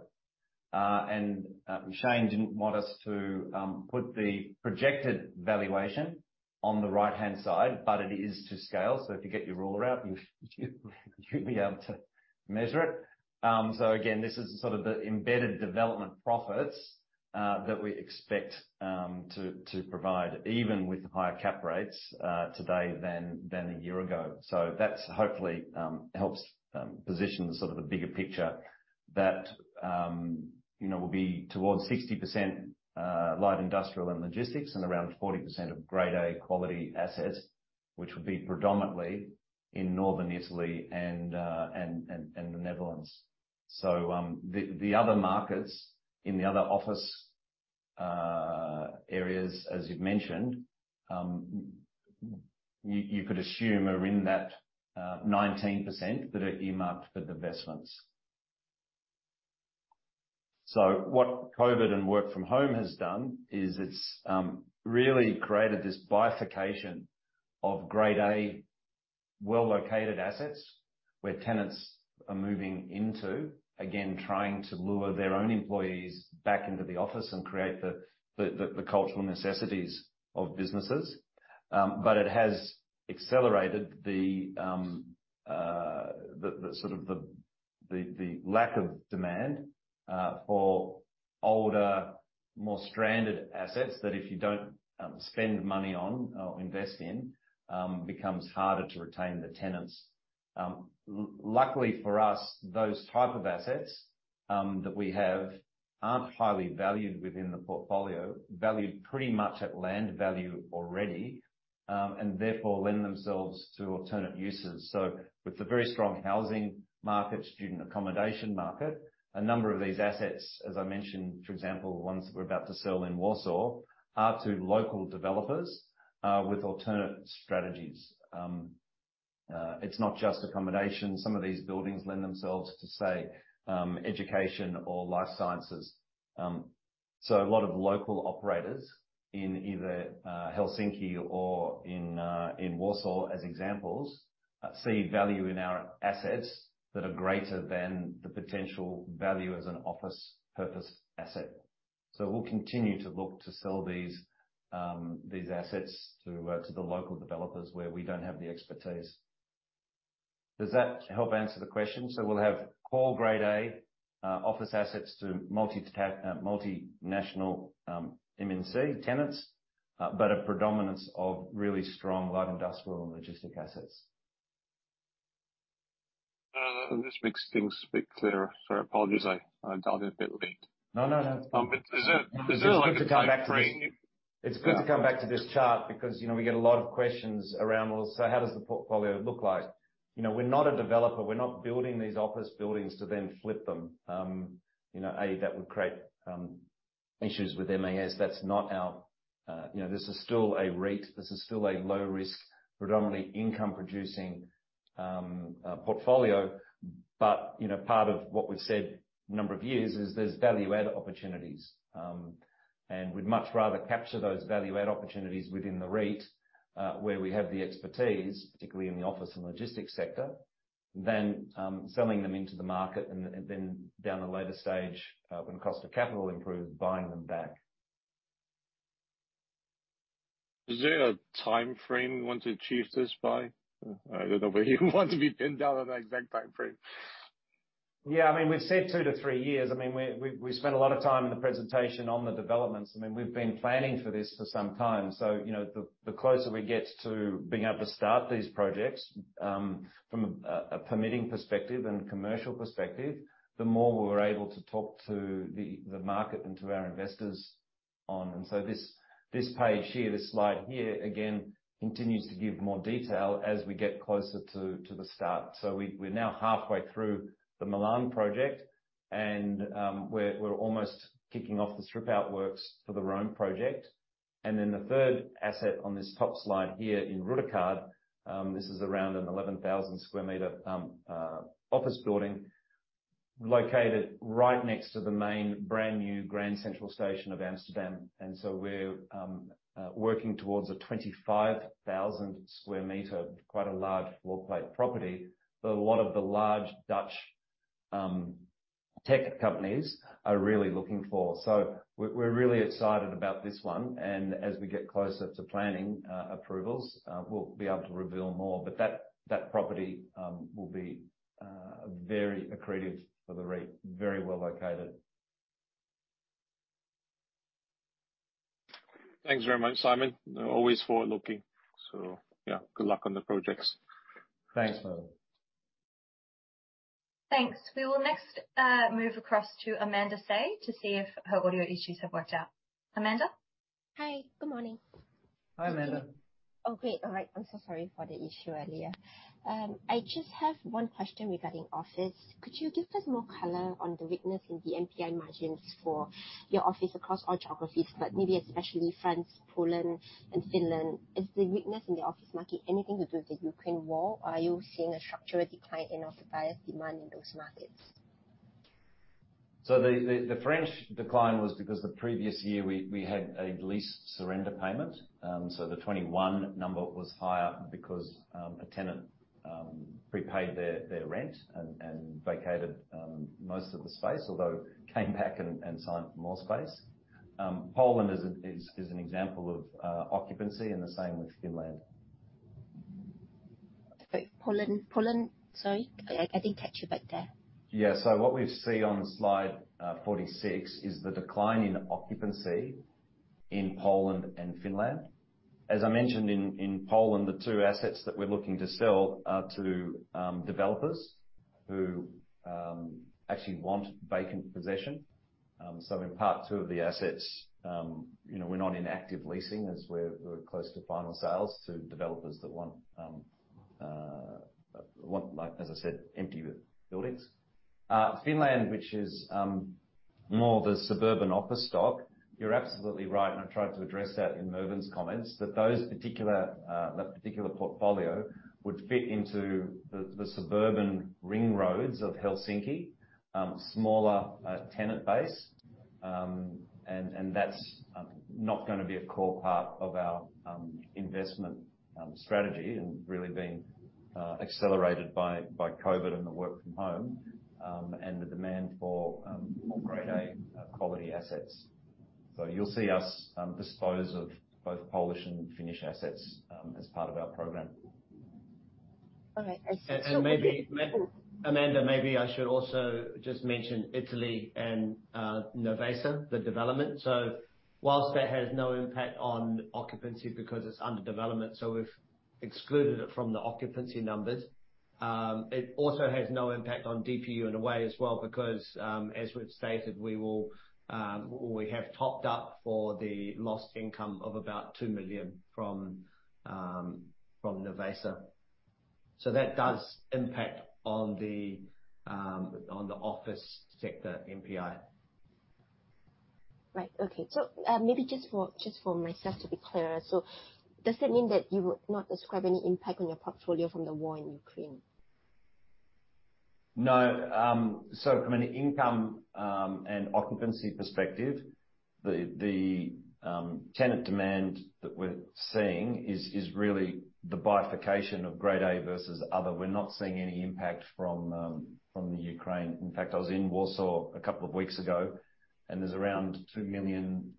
Shane didn't want us to put the projected valuation on the right-hand side, but it is to scale, so if you get your ruler out, you'd be able to measure it. Again, this is sort of the embedded development profits that we expect to provide even with the higher cap rates today than a year ago. That hopefully helps position the sort of the bigger picture that, you know, will be towards 60% light industrial and logistics, and around 40% of Grade A quality assets, which would be predominantly in northern Italy and the Netherlands. The other markets in the other office areas, as you've mentioned, you could assume are in that 19% that are earmarked for divestments. What COVID and work from home has done is it's really created this bifurcation of Grade A well-located assets where tenants are moving into, again, trying to lure their own employees back into the office and create the cultural necessities of businesses. It has accelerated the lack of demand for more stranded assets that if you don't spend money on or invest in, becomes harder to retain the tenants. Luckily for us, those type of assets that we have aren't highly valued within the portfolio. Valued pretty much at land value already, and therefore lend themselves to alternate uses. With the very strong housing market, student accommodation market, a number of these assets, as I mentioned, for example, ones we're about to sell in Warsaw, are to local developers, with alternate strategies. It's not just accommodation. Some of these buildings lend themselves to, say, education or life sciences. A lot of local operators in either Helsinki or in Warsaw, as examples, see value in our assets that are greater than the potential value as an office purpose asset. We'll continue to look to sell these assets to the local developers where we don't have the expertise. Does that help answer the question? We'll have core grade A office assets to multinational MNC tenants, but a predominance of really strong light industrial and logistic assets. This makes things a bit clearer. Sorry, apologies, I dug a bit late. No, no, it's fine. Is there like a time frame? It's good to come back to this. It's good to come back to this chart because, you know, we get a lot of questions around, well, so how does the portfolio look like? You know, we're not a developer. We're not building these office buildings to then flip them. You know, A, that would create issues with MAS. That's not our. You know, this is still a REIT. This is still a low-risk, predominantly income-producing portfolio. You know, part of what we've said a number of years is there's value add opportunities. We'd much rather capture those value add opportunities within the REIT, where we have the expertise, particularly in the office and logistics sector, than selling them into the market and then down the later stage, when cost of capital improves, buying them back. Is there a timeframe you want to achieve this by? I don't know whether you want to be pinned down on an exact timeframe. I mean, we've said two to three years. I mean, we spent a lot of time in the presentation on the developments. I mean, we've been planning for this for some time, so you know, the closer we get to being able to start these projects, from a permitting perspective and commercial perspective, the more we're able to talk to the market and to our investors on. This, this page here, this slide here, again, continues to give more detail as we get closer to the start. So we're now halfway through the Milan project, and we're almost kicking off the strip out works for the Rome project. The third asset on this top slide here in De Ruijterkade, this is around an 11,000 square meter office building located right next to the main brand-new Amsterdam Centraal. We're working towards a 25,000 square meter, quite a large floor plate property that a lot of the large Dutch tech companies are really looking for. We're really excited about this one, and as we get closer to planning approvals, we'll be able to reveal more. That property will be very accretive for the REIT. Very well located. Thanks very much, Simon. Always forward-looking. Yeah, good luck on the projects. Thanks, Mervin. Thanks. We will next move across to Amanda Seah to see if her audio issues have worked out. Amanda? Hi. Good morning. Hi, Amanda. Great. Right. I'm so sorry for the issue earlier. I just have one question regarding office. Could you give us more color on the weakness in the NPI margins for your office across all geographies, but maybe especially France, Poland and Finland? Is the weakness in the office market anything to do with the Ukraine War, or are you seeing a structural decline in occupier demand in those markets? The French decline was because the previous year we had a lease surrender payment. The 2021 number was higher because a tenant prepaid their rent and vacated most of the space, although came back and signed for more space. Poland is an example of occupancy, and the same with Finland. Sorry, Poland? Sorry, I didn't catch you back there. Yeah. What we see on slide 46 is the decline in occupancy in Poland and Finland. As I mentioned in Poland, the two assets that we're looking to sell are to developers who actually want vacant possession. In part two of the assets, you know, we're not in active leasing as we're close to final sales to developers that want, like as I said, empty buildings. Finland, which is more the suburban office stock, you're absolutely right, and I tried to address that in Mervin's comments, that particular portfolio would fit into the suburban ring roads of Helsinki. Smaller tenant base. That's not gonna be a core part of our investment strategy, and really being accelerated by COVID and the work from home, and the demand for more grade A quality assets. You'll see us dispose of both Polish and Finnish assets as part of our program. All right. Maybe Amanda, maybe I should also just mention Italy and Nervesa, the development. Whilst that has no impact on occupancy because it's under development, so we've excluded it from the occupancy numbers, it also has no impact on DPU in a way as well, because as we've stated, we will, we have topped up for the lost income of about 2 million from Nervesa. That does impact on the office sector NPI. Right. Okay. Maybe just for myself to be clear, so does that mean that you will not ascribe any impact on your portfolio from the war in Ukraine? No. From an income and occupancy perspective, the tenant demand that we're seeing is really the bifurcation of Grade A versus other. We're not seeing any impact from the Ukraine. In fact, I was in Warsaw a couple of weeks ago, and there's around 2 million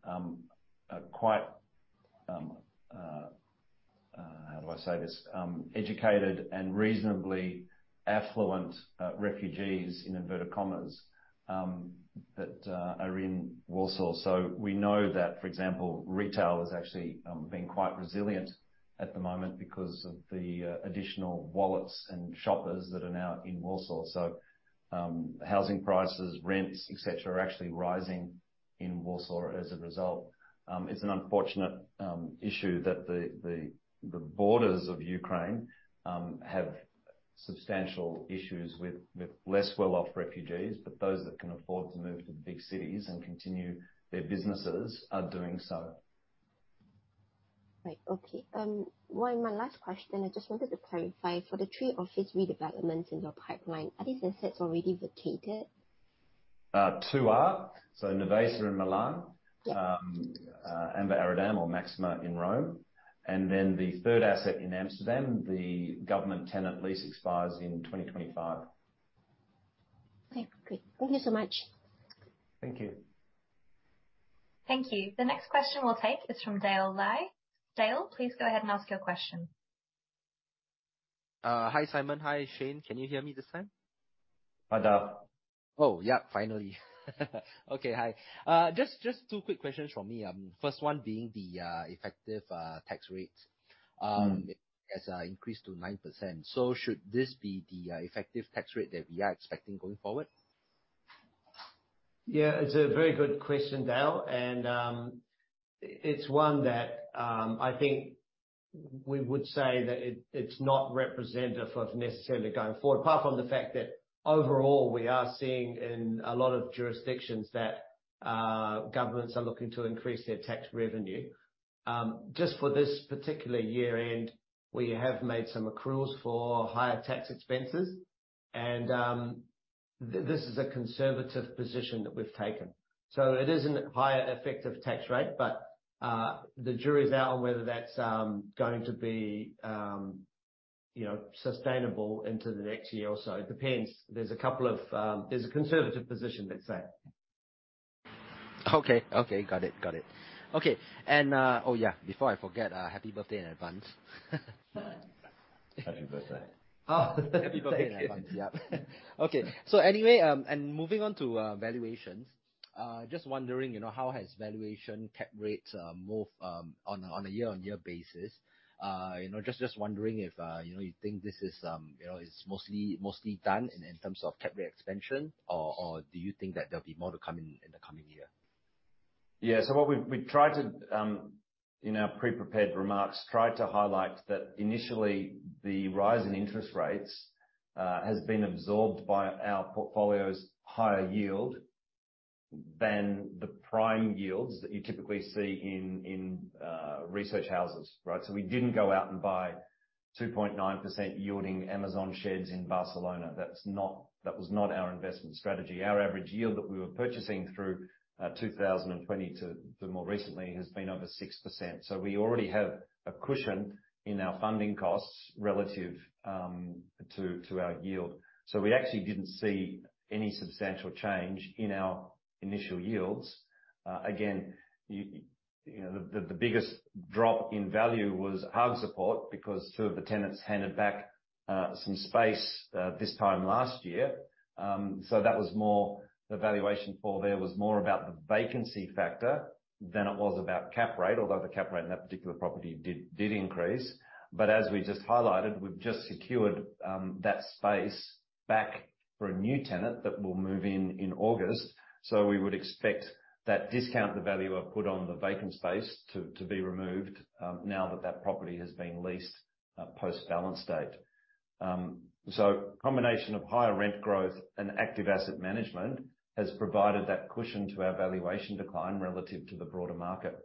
educated and reasonably affluent refugees, in inverted commas, that are in Warsaw. We know that, for example, retail has actually been quite resilient at the moment because of the additional wallets and shoppers that are now in Warsaw. Housing prices, rents, et cetera, are actually rising in Warsaw as a result. It's an unfortunate issue that the borders of Ukraine have substantial issues with less well-off refugees, but those that can afford to move to the big cities and continue their businesses are doing so. Right. Okay. Well, my last question, I just wanted to clarify. For the three office redevelopments in your pipeline, are these assets already vacated? two are. Nervesa in Milan. Yeah. Via dell'Amba Aradam or Maxima in Rome. The third asset in Amsterdam, the government tenant lease expires in 2025. Okay, great. Thank you so much. Thank you. Thank you. The next question we'll take is from Dale Lai. Dale, please go ahead and ask your question. Hi, Simon. Hi, Shane. Can you hear me this time? Hi, Dale. Oh, yeah, finally. Okay, hi. Just two quick questions from me. First one being the effective tax rate as increased to 9%. Should this be the effective tax rate that we are expecting going forward? It's a very good question, Dale, it's one that I think we would say that it's not representative of necessarily going forward. Apart from the fact that overall, we are seeing in a lot of jurisdictions that governments are looking to increase their tax revenue. Just for this particular year-end, we have made some accruals for higher tax expenses and this is a conservative position that we've taken. It is an higher effective tax rate, but the jury is out on whether that's, you know, sustainable into the next year or so. It depends. There's a couple of. There's a conservative position, let's say. Okay. Okay. Got it. Got it. Okay. Oh, yeah, before I forget, happy birthday in advance. Happy birthday. Oh, happy birthday in advance. Yep. Okay. Moving on to valuations, just wondering, you know, how has valuation cap rates moved on a year-on-year basis? You know, just wondering if, you know, you think this is, you know, is mostly done in terms of cap rate expansion or do you think that there'll be more to come in the coming year? What we've tried to in our pre-prepared remarks, try to highlight that initially the rise in interest rates has been absorbed by our portfolio's higher yield than the prime yields that you typically see in research houses, right? We didn't go out and buy 2.9% yielding Amazon sheds in Barcelona. That's not, that was not our investment strategy. Our average yield that we were purchasing through 2020 to more recently has been over 6%. We already have a cushion in our funding costs relative to our yield. We actually didn't see any substantial change in our initial yields. Again, you know, the biggest drop in value was Haagse Poort because some of the tenants handed back some space this time last year. That was more the valuation for there was more about the vacancy factor than it was about cap rate. Although the cap rate in that particular property did increase. As we just highlighted, we've just secured that space back for a new tenant that will move in in August. We would expect that discount the value I've put on the vacant space to be removed now that that property has been leased post-balance date. Combination of higher rent growth and active asset management has provided that cushion to our valuation decline relative to the broader market.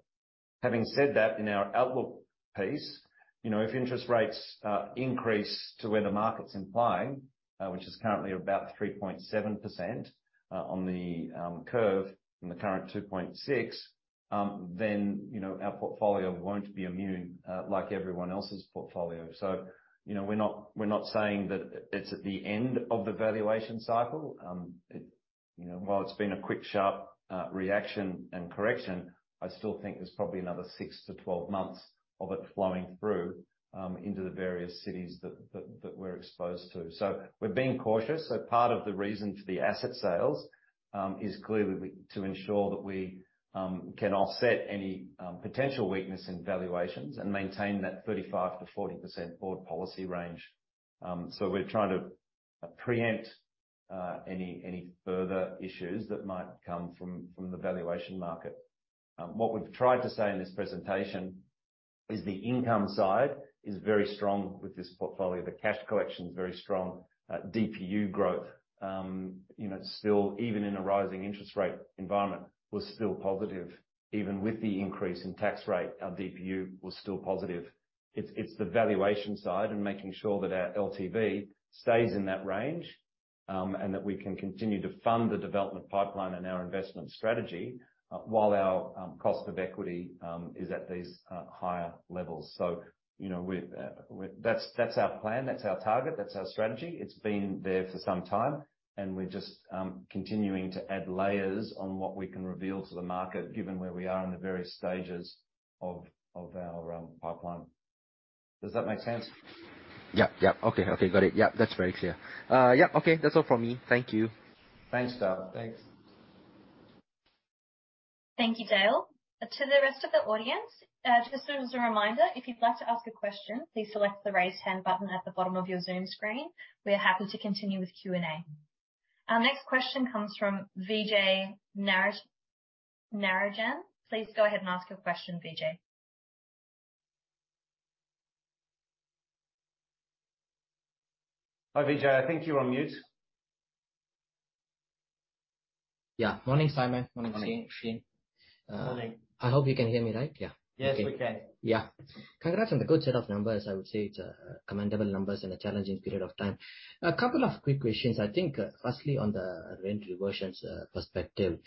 Having said that, in our outlook piece, you know, if interest rates increase to where the market's implying, which is currently about 3.7%, on the curve from the current 2.6%, then, you know, our portfolio won't be immune, like everyone else's portfolio. You know, we're not saying that it's at the end of the valuation cycle. You know, while it's been a quick, sharp reaction and correction, I still think there's probably another six to 12 months of it flowing through into the various cities that we're exposed to. We're being cautious. Part of the reason for the asset sales is clearly to ensure that we can offset any potential weakness in valuations and maintain that 35%-40% board policy range. We're trying to preempt any further issues that might come from the valuation market. What we've tried to say in this presentation is the income side is very strong with this portfolio. The cash collection is very strong. DPU growth, you know, still even in a rising interest rate environment, was still positive. Even with the increase in tax rate, our DPU was still positive. It's the valuation side and making sure that our LTV stays in that range, and that we can continue to fund the development pipeline and our investment strategy while our cost of equity is at these higher levels. You know, that's our plan, that's our target, that's our strategy. It's been there for some time, and we're just, continuing to add layers on what we can reveal to the market given where we are in the various stages of our, pipeline. Does that make sense? Yeah. Yeah. Okay. Okay. Got it. Yeah, that's very clear. Yeah, okay, that's all from me. Thank you. Thanks, Dale. Thanks. Thank you, Dale. To the rest of the audience, just as a reminder, if you'd like to ask a question, please select the Raise Hand button at the bottom of your Zoom screen. We are happy to continue with Q&A. Our next question comes from Vijay Natarajan. Please go ahead and ask your question, Vijay. Hi, Vijay. I think you're on mute. Yeah. Morning, Simon. Morning, team. Morning. I hope you can hear me right. Yeah. Yes, we can. Yeah. Congrats on the good set of numbers. I would say it's commendable numbers in a challenging period of time. A couple of quick questions. I think, firstly, on the rent reversions perspective,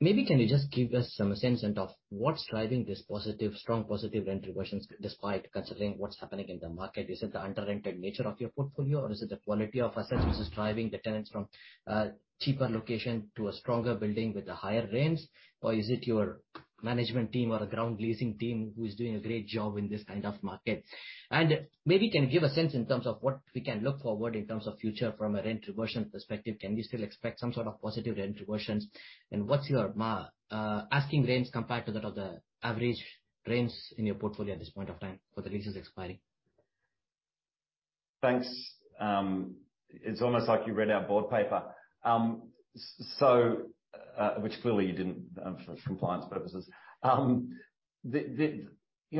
maybe can you just give us some sense of what's driving this strong positive rent reversions despite considering what's happening in the market? Is it the under-rented nature of your portfolio, or is it the quality of assets which is driving the tenants from cheaper location to a stronger building with the higher rents? Or is it your management team or the ground leasing team who is doing a great job in this kind of market? Maybe can you give a sense in terms of what we can look forward in terms of future from a rent reversion perspective? Can we still expect some sort of positive rent reversions? What's your asking rents compared to that of the average rents in your portfolio at this point of time for the leases expiring? Thanks. It's almost like you read our board paper, which clearly you didn't, for compliance purposes. You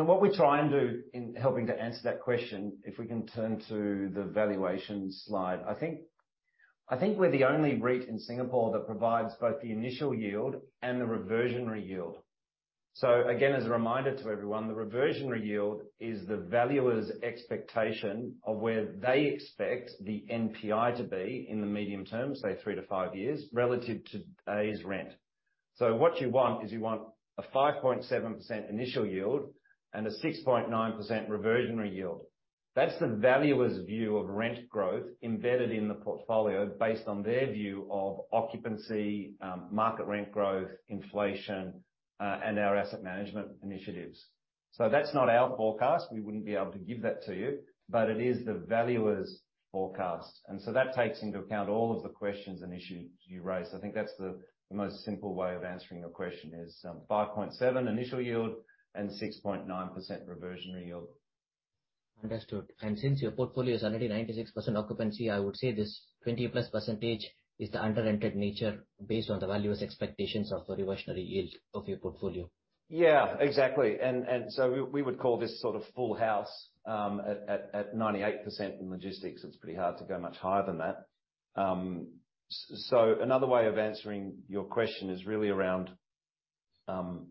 know, what we try and do in helping to answer that question, if we can turn to the valuation slide, I think we're the only REIT in Singapore that provides both the initial yield and the reversionary yield. Again, as a reminder to everyone, the reversionary yield is the valuer's expectation of where they expect the NPI to be in the medium term, say three to five years, relative to today's rent. What you want is you want a 5.7% initial yield and a 6.9% reversionary yield. That's the valuer's view of rent growth embedded in the portfolio based on their view of occupancy, market rent growth, inflation, and our asset management initiatives. That's not our forecast. We wouldn't be able to give that to you, but it is the valuer's forecast, and so that takes into account all of the questions and issues you raised. I think that's the most simple way of answering your question is 5.7% initial yield and 6.9% reversionary yield. Understood. Since your portfolio is already 96% occupancy, I would say this 20%+ is the under-rented nature based on the valuer's expectations of the reversionary yield of your portfolio. Yeah, exactly. We would call this sort of full house, at 98% in logistics. It's pretty hard to go much higher than that. So another way of answering your question is really around the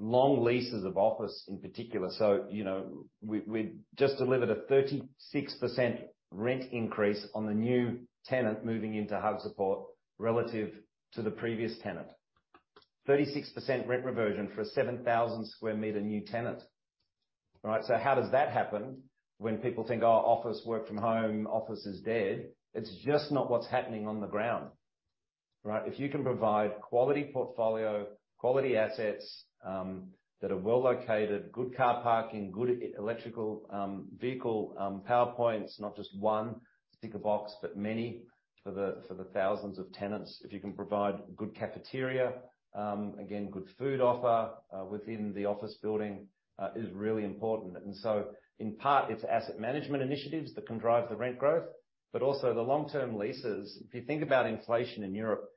long leases of office in particular. You know, we just delivered a 36% rent increase on the new tenant moving into Haagse Poort relative to the previous tenant. 36% rent reversion for a 7,000 square meter new tenant. All right? How does that happen when people think, "Oh, office work from home, office is dead"? It's just not what's happening on the ground, right? If you can provide quality portfolio, quality assets, that are well-located, good car parking, good electrical vehicle power points, not just one sticker box, but many for the thousands of tenants. If you can provide good cafeteria, again, good food offer within the office building is really important. In part, it's asset management initiatives that can drive the rent growth, but also the long-term leases. If you think about inflation in Europe,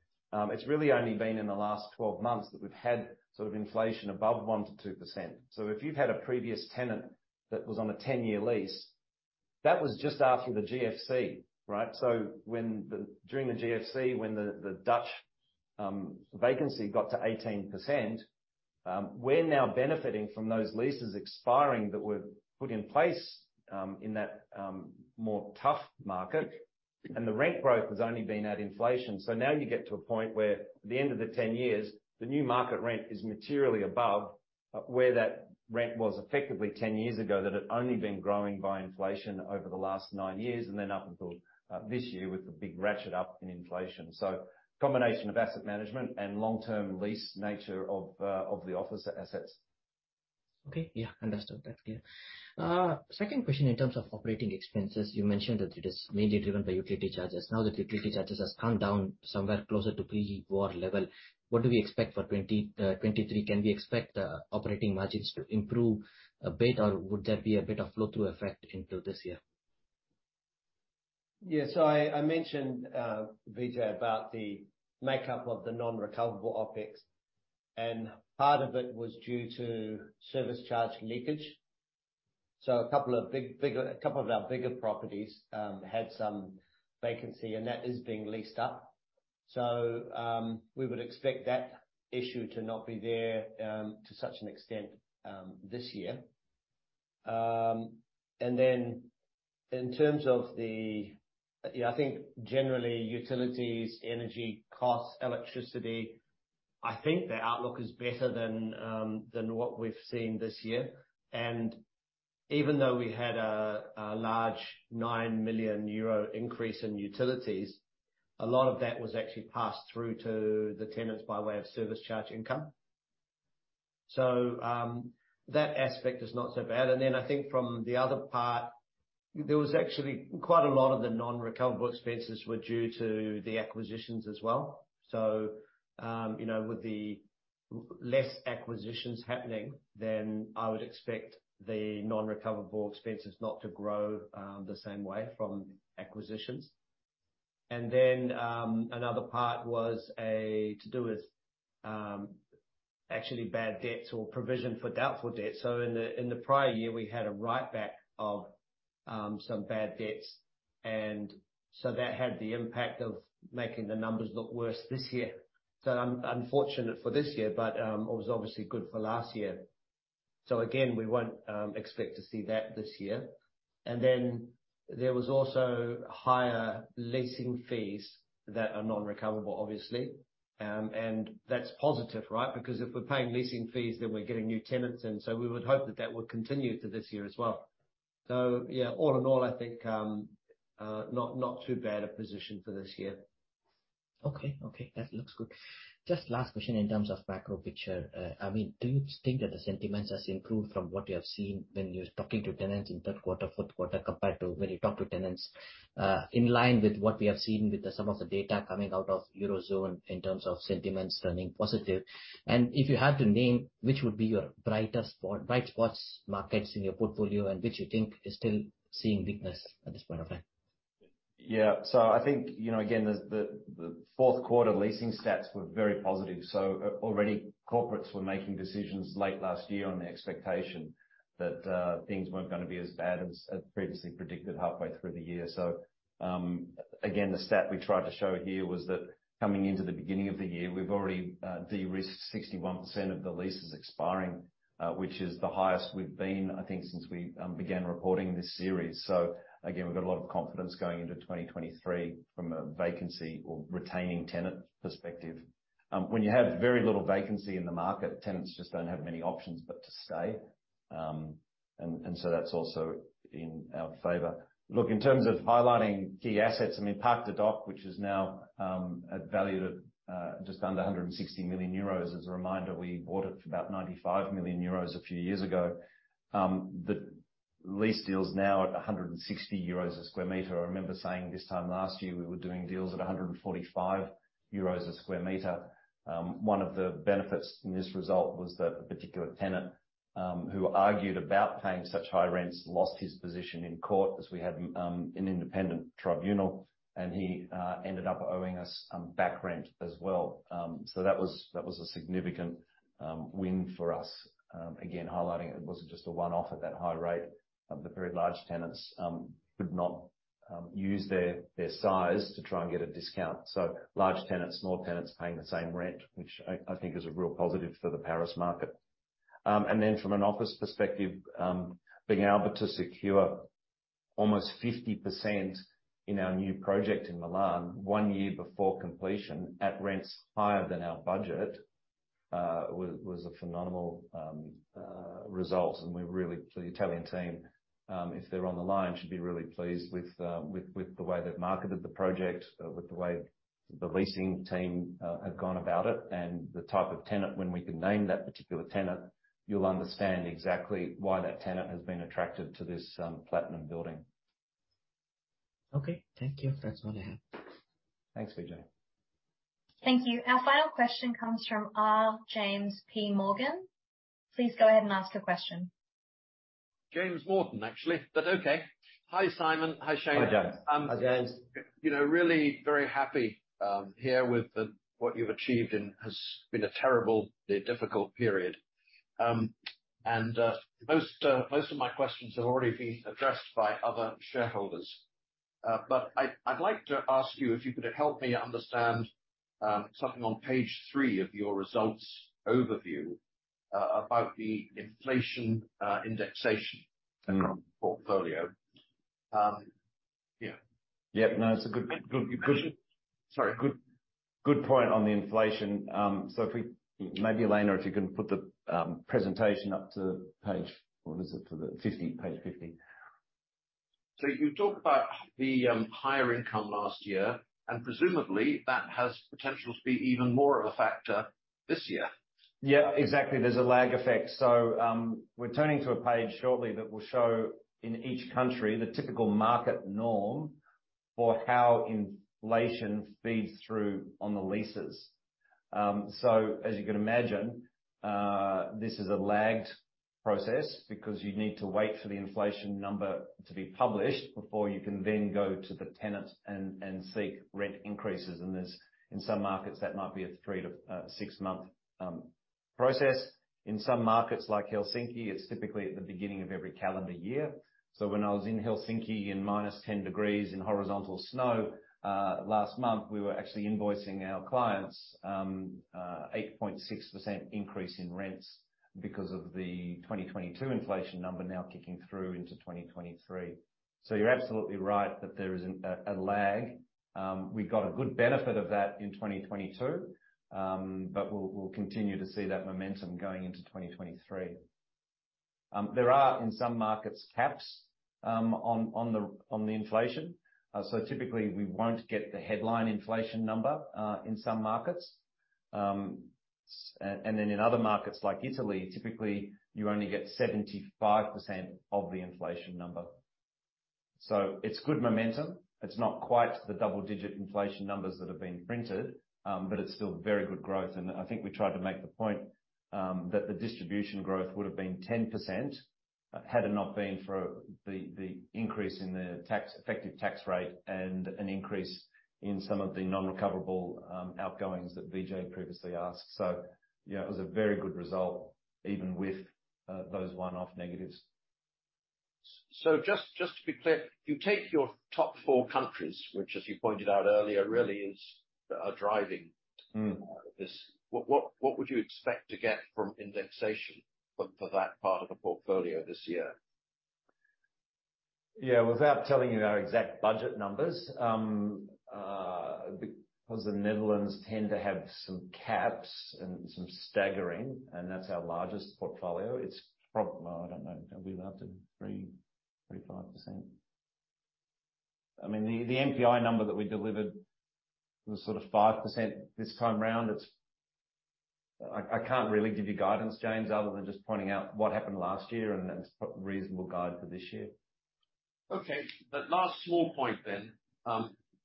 it's really only been in the last 12 months that we've had sort of inflation above 1% to 2%. If you've had a previous tenant that was on a 10-year lease, that was just after the GFC, right? During the GFC, when the Dutch vacancy got to 18%, we're now benefiting from those leases expiring that were put in place in that more tough market. The rent growth has only been at inflation. Now you get to a point where the end of the 10 years, the new market rent is materially above where that rent was effectively 10 years ago, that had only been growing by inflation over the last nine years, and then up until this year with the big ratchet up in inflation. Combination of asset management and long-term lease nature of the office assets. Okay. Yeah, understood. That's clear. Second question in terms of operating expenses, you mentioned that it is mainly driven by utility charges. Now that utility charges have come down somewhere closer to pre-war level, what do we expect for 2023? Can we expect operating margins to improve a bit, or would there be a bit of flow-through effect into this year? I mentioned Vijay, about the makeup of the non-recoverable OpEx, and part of it was due to service charge leakage. A couple of big, couple of our bigger properties, had some vacancy, and that is being leased up. We would expect that issue to not be there, to such an extent, this year. I think generally utilities, energy costs, electricity, I think the outlook is better than what we've seen this year. Even though we had a large 9 million euro increase in utilities, a lot of that was actually passed through to the tenants by way of service charge income. That aspect is not so bad. I think from the other part, there was actually quite a lot of the non-recoverable expenses were due to the acquisitions as well. You know, with the less acquisitions happening, then I would expect the non-recoverable expenses not to grow the same way from acquisitions. Another part was to do with actually bad debts or provision for doubtful debts. In the prior year, we had a write-back of some bad debts, that had the impact of making the numbers look worse this year. Unfortunate for this year, it was obviously good for last year. Again, we won't expect to see that this year. There was also higher leasing fees that are non-recoverable, obviously. That's positive, right? If we're paying leasing fees, then we're getting new tenants in. We would hope that that will continue to this year as well. Yeah, all in all, I think, not too bad a position for this year. Okay. Okay, that looks good. Just last question in terms of macro picture. I mean, do you think that the sentiments has improved from what you have seen when you're talking to tenants in third quarter, fourth quarter, compared to when you talk to tenants, in line with what we have seen with some of the data coming out of Eurozone in terms of sentiments turning positive? If you had to name which would be your brightest spot, bright spots markets in your portfolio, and which you think is still seeing weakness at this point of time? I think, you know, again, the fourth quarter leasing stats were very positive. Already corporates were making decisions late last year on the expectation that things weren't gonna be as bad as previously predicted halfway through the year. Again, the stat we tried to show here was that coming into the beginning of the year, we've already de-risked 61% of the leases expiring, which is the highest we've been, I think, since we began reporting this series. Again, we've got a lot of confidence going into 2023 from a vacancy or retaining tenant perspective. When you have very little vacancy in the market, tenants just don't have many options but to stay. That's also in our favor. In terms of highlighting key assets, I mean, Parc de Dock, which is now valued at just under 160 million euros, as a reminder, we bought it for about 95 million euros a few years ago. The lease deal is now at 160 euros a square meter. I remember saying this time last year, we were doing deals at 145 euros a square meter. One of the benefits in this result was that a particular tenant, who argued about paying such high rents lost his position in court, as we had an independent tribunal, and he ended up owing us back rent as well. That was a significant win for us. Again, highlighting it wasn't just a one-off at that high rate. The very large tenants could not use their size to try and get a discount. Large tenants, small tenants paying the same rent, which I think is a real positive for the Paris market. From an office perspective, being able to secure almost 50% in our new project in Milan one year before completion at rents higher than our budget was a phenomenal result. We're really the Italian team, if they're on the line, should be really pleased with the way they've marketed the project, with the way the leasing team have gone about it and the type of tenant. When we can name that particular tenant, you'll understand exactly why that tenant has been attracted to this platinum building. Okay. Thank you. That's all I have. Thanks, Vijay. Thank you. Our final question comes from James Morton. Please go ahead and ask your question. James Morton, actually, but okay. Hi, Simon. Hi, Shane. Hi, James. Hi, James. You know, really very happy, here with, what you've achieved in has been a terribly difficult period. Most of my questions have already been addressed by other shareholders. I'd like to ask you if you could help me understand, something on page three of your results overview, about the inflation, indexation- Mm-hmm. on portfolio. Yeah. Yeah. No, it's a good. Sorry. Good, good point on the inflation. Maybe, Elena, if you can put the presentation up to page. What is it? To the 50. Page 50. You talked about the higher income last year, and presumably that has potential to be even more of a factor this year. Exactly. We're turning to a page shortly that will show in each country the typical market norm for how inflation feeds through on the leases. As you can imagine, this is a lagged process because you need to wait for the inflation number to be published before you can then go to the tenant and seek rent increases. In some markets, that might be a three-to-six-month process. In some markets, like Helsinki, it's typically at the beginning of every calendar year. When I was in Helsinki in -10 degrees in horizontal snow last month, we were actually invoicing our clients 8.6% increase in rents because of the 2022 inflation number now kicking through into 2023. You're absolutely right that there is a lag. We got a good benefit of that in 2022. We'll continue to see that momentum going into 2023. There are, in some markets, caps on the inflation. Typically we won't get the headline inflation number, in some markets. Then in other markets like Italy, typically you only get 75% of the inflation number. It's good momentum. It's not quite the double-digit inflation numbers that have been printed. It's still very good growth. I think we tried to make the point that the distribution growth would have been 10% had it not been for the increase in the tax, effective tax rate and an increase in some of the non-recoverable outgoings that Vijay previously asked. Yeah, it was a very good result, even with those one-off negatives. Just to be clear, if you take your top four countries, which as you pointed out earlier, really are driving- Mm. -this. What would you expect to get from indexation for that part of the portfolio this year? Yeah. Without telling you our exact budget numbers, because the Netherlands tend to have some caps and some staggering, and that's our largest portfolio, I don't know. Are we allowed to 3%, 35%? I mean, the NPI number that we delivered was sort of 5% this time around. I can't really give you guidance, James, other than just pointing out what happened last year and it's a reasonable guide for this year. Last small point.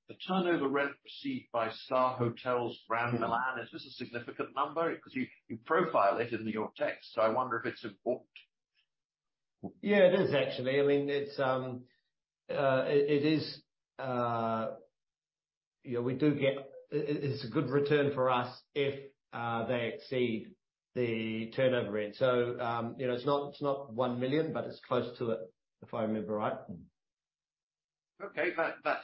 The turnover rent received by Starhotels around Milan, is this a significant number? Because you profile it in your text, I wonder if it's important. Yeah, it is actually. I mean, it is. You know, we do get. It's a good return for us if they exceed the turnover rent. You know, it's not 1 million, but it's close to it, if I remember right. Okay. That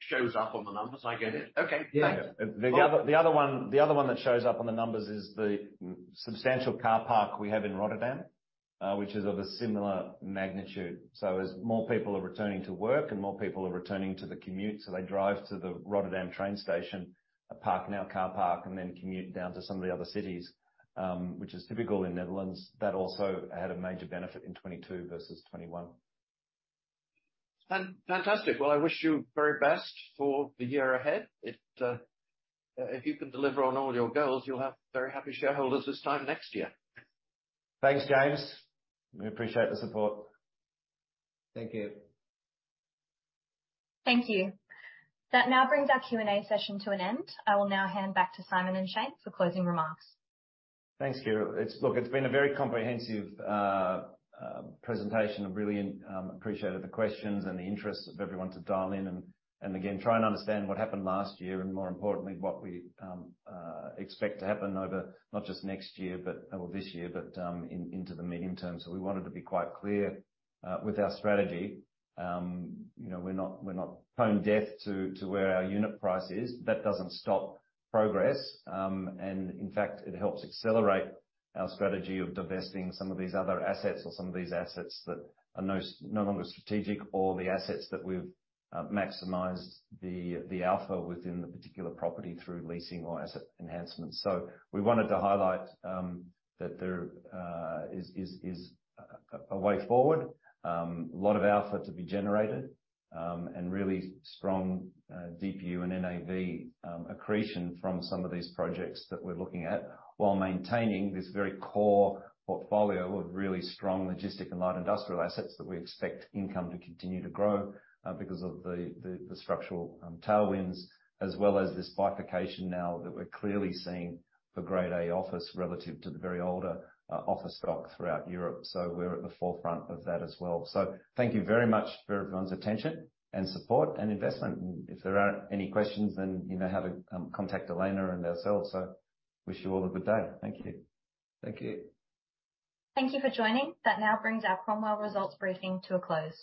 shows up on the numbers. I get it. Okay. Thank you. The other one that shows up on the numbers is the substantial car park we have in Rotterdam, which is of a similar magnitude. As more people are returning to work and more people are returning to the commute, so they drive to the Rotterdam train station, park in our car park and then commute down to some of the other cities, which is typical in Netherlands, that also had a major benefit in 2022 versus 2021. Fantastic. Well, I wish you very best for the year ahead. If, if you can deliver on all your goals, you'll have very happy shareholders this time next year. Thanks, James. We appreciate the support. Thank you. Thank you. That now brings our Q&A session to an end. I will now hand back to Simon and Shane for closing remarks. Thanks, Chiara. Look, it's been a very comprehensive presentation. I've really appreciated the questions and the interest of everyone to dial in and again, try and understand what happened last year, and more importantly, what we expect to happen over not just next year, or this year, but into the medium term. We wanted to be quite clear with our strategy. You know, we're not, we're not prone death to where our unit price is. That doesn't stop progress. In fact, it helps accelerate our strategy of divesting some of these other assets or some of these assets that are no longer strategic or the assets that we've maximized the alpha within the particular property through leasing or asset enhancements. We wanted to highlight that there is a way forward. A lot of alpha to be generated and really strong DPU and NAV accretion from some of these projects that we're looking at while maintaining this very core portfolio of really strong logistic and light industrial assets that we expect income to continue to grow because of the structural tailwinds as well as this bifurcation now that we're clearly seeing for Grade A office relative to the very older office stock throughout Europe. We're at the forefront of that as well. Thank you very much for everyone's attention and support and investment. If there are any questions, then you know how to contact Elena and ourselves. Wish you all a good day. Thank you. Thank you. Thank you for joining. That now brings our Cromwell results briefing to a close.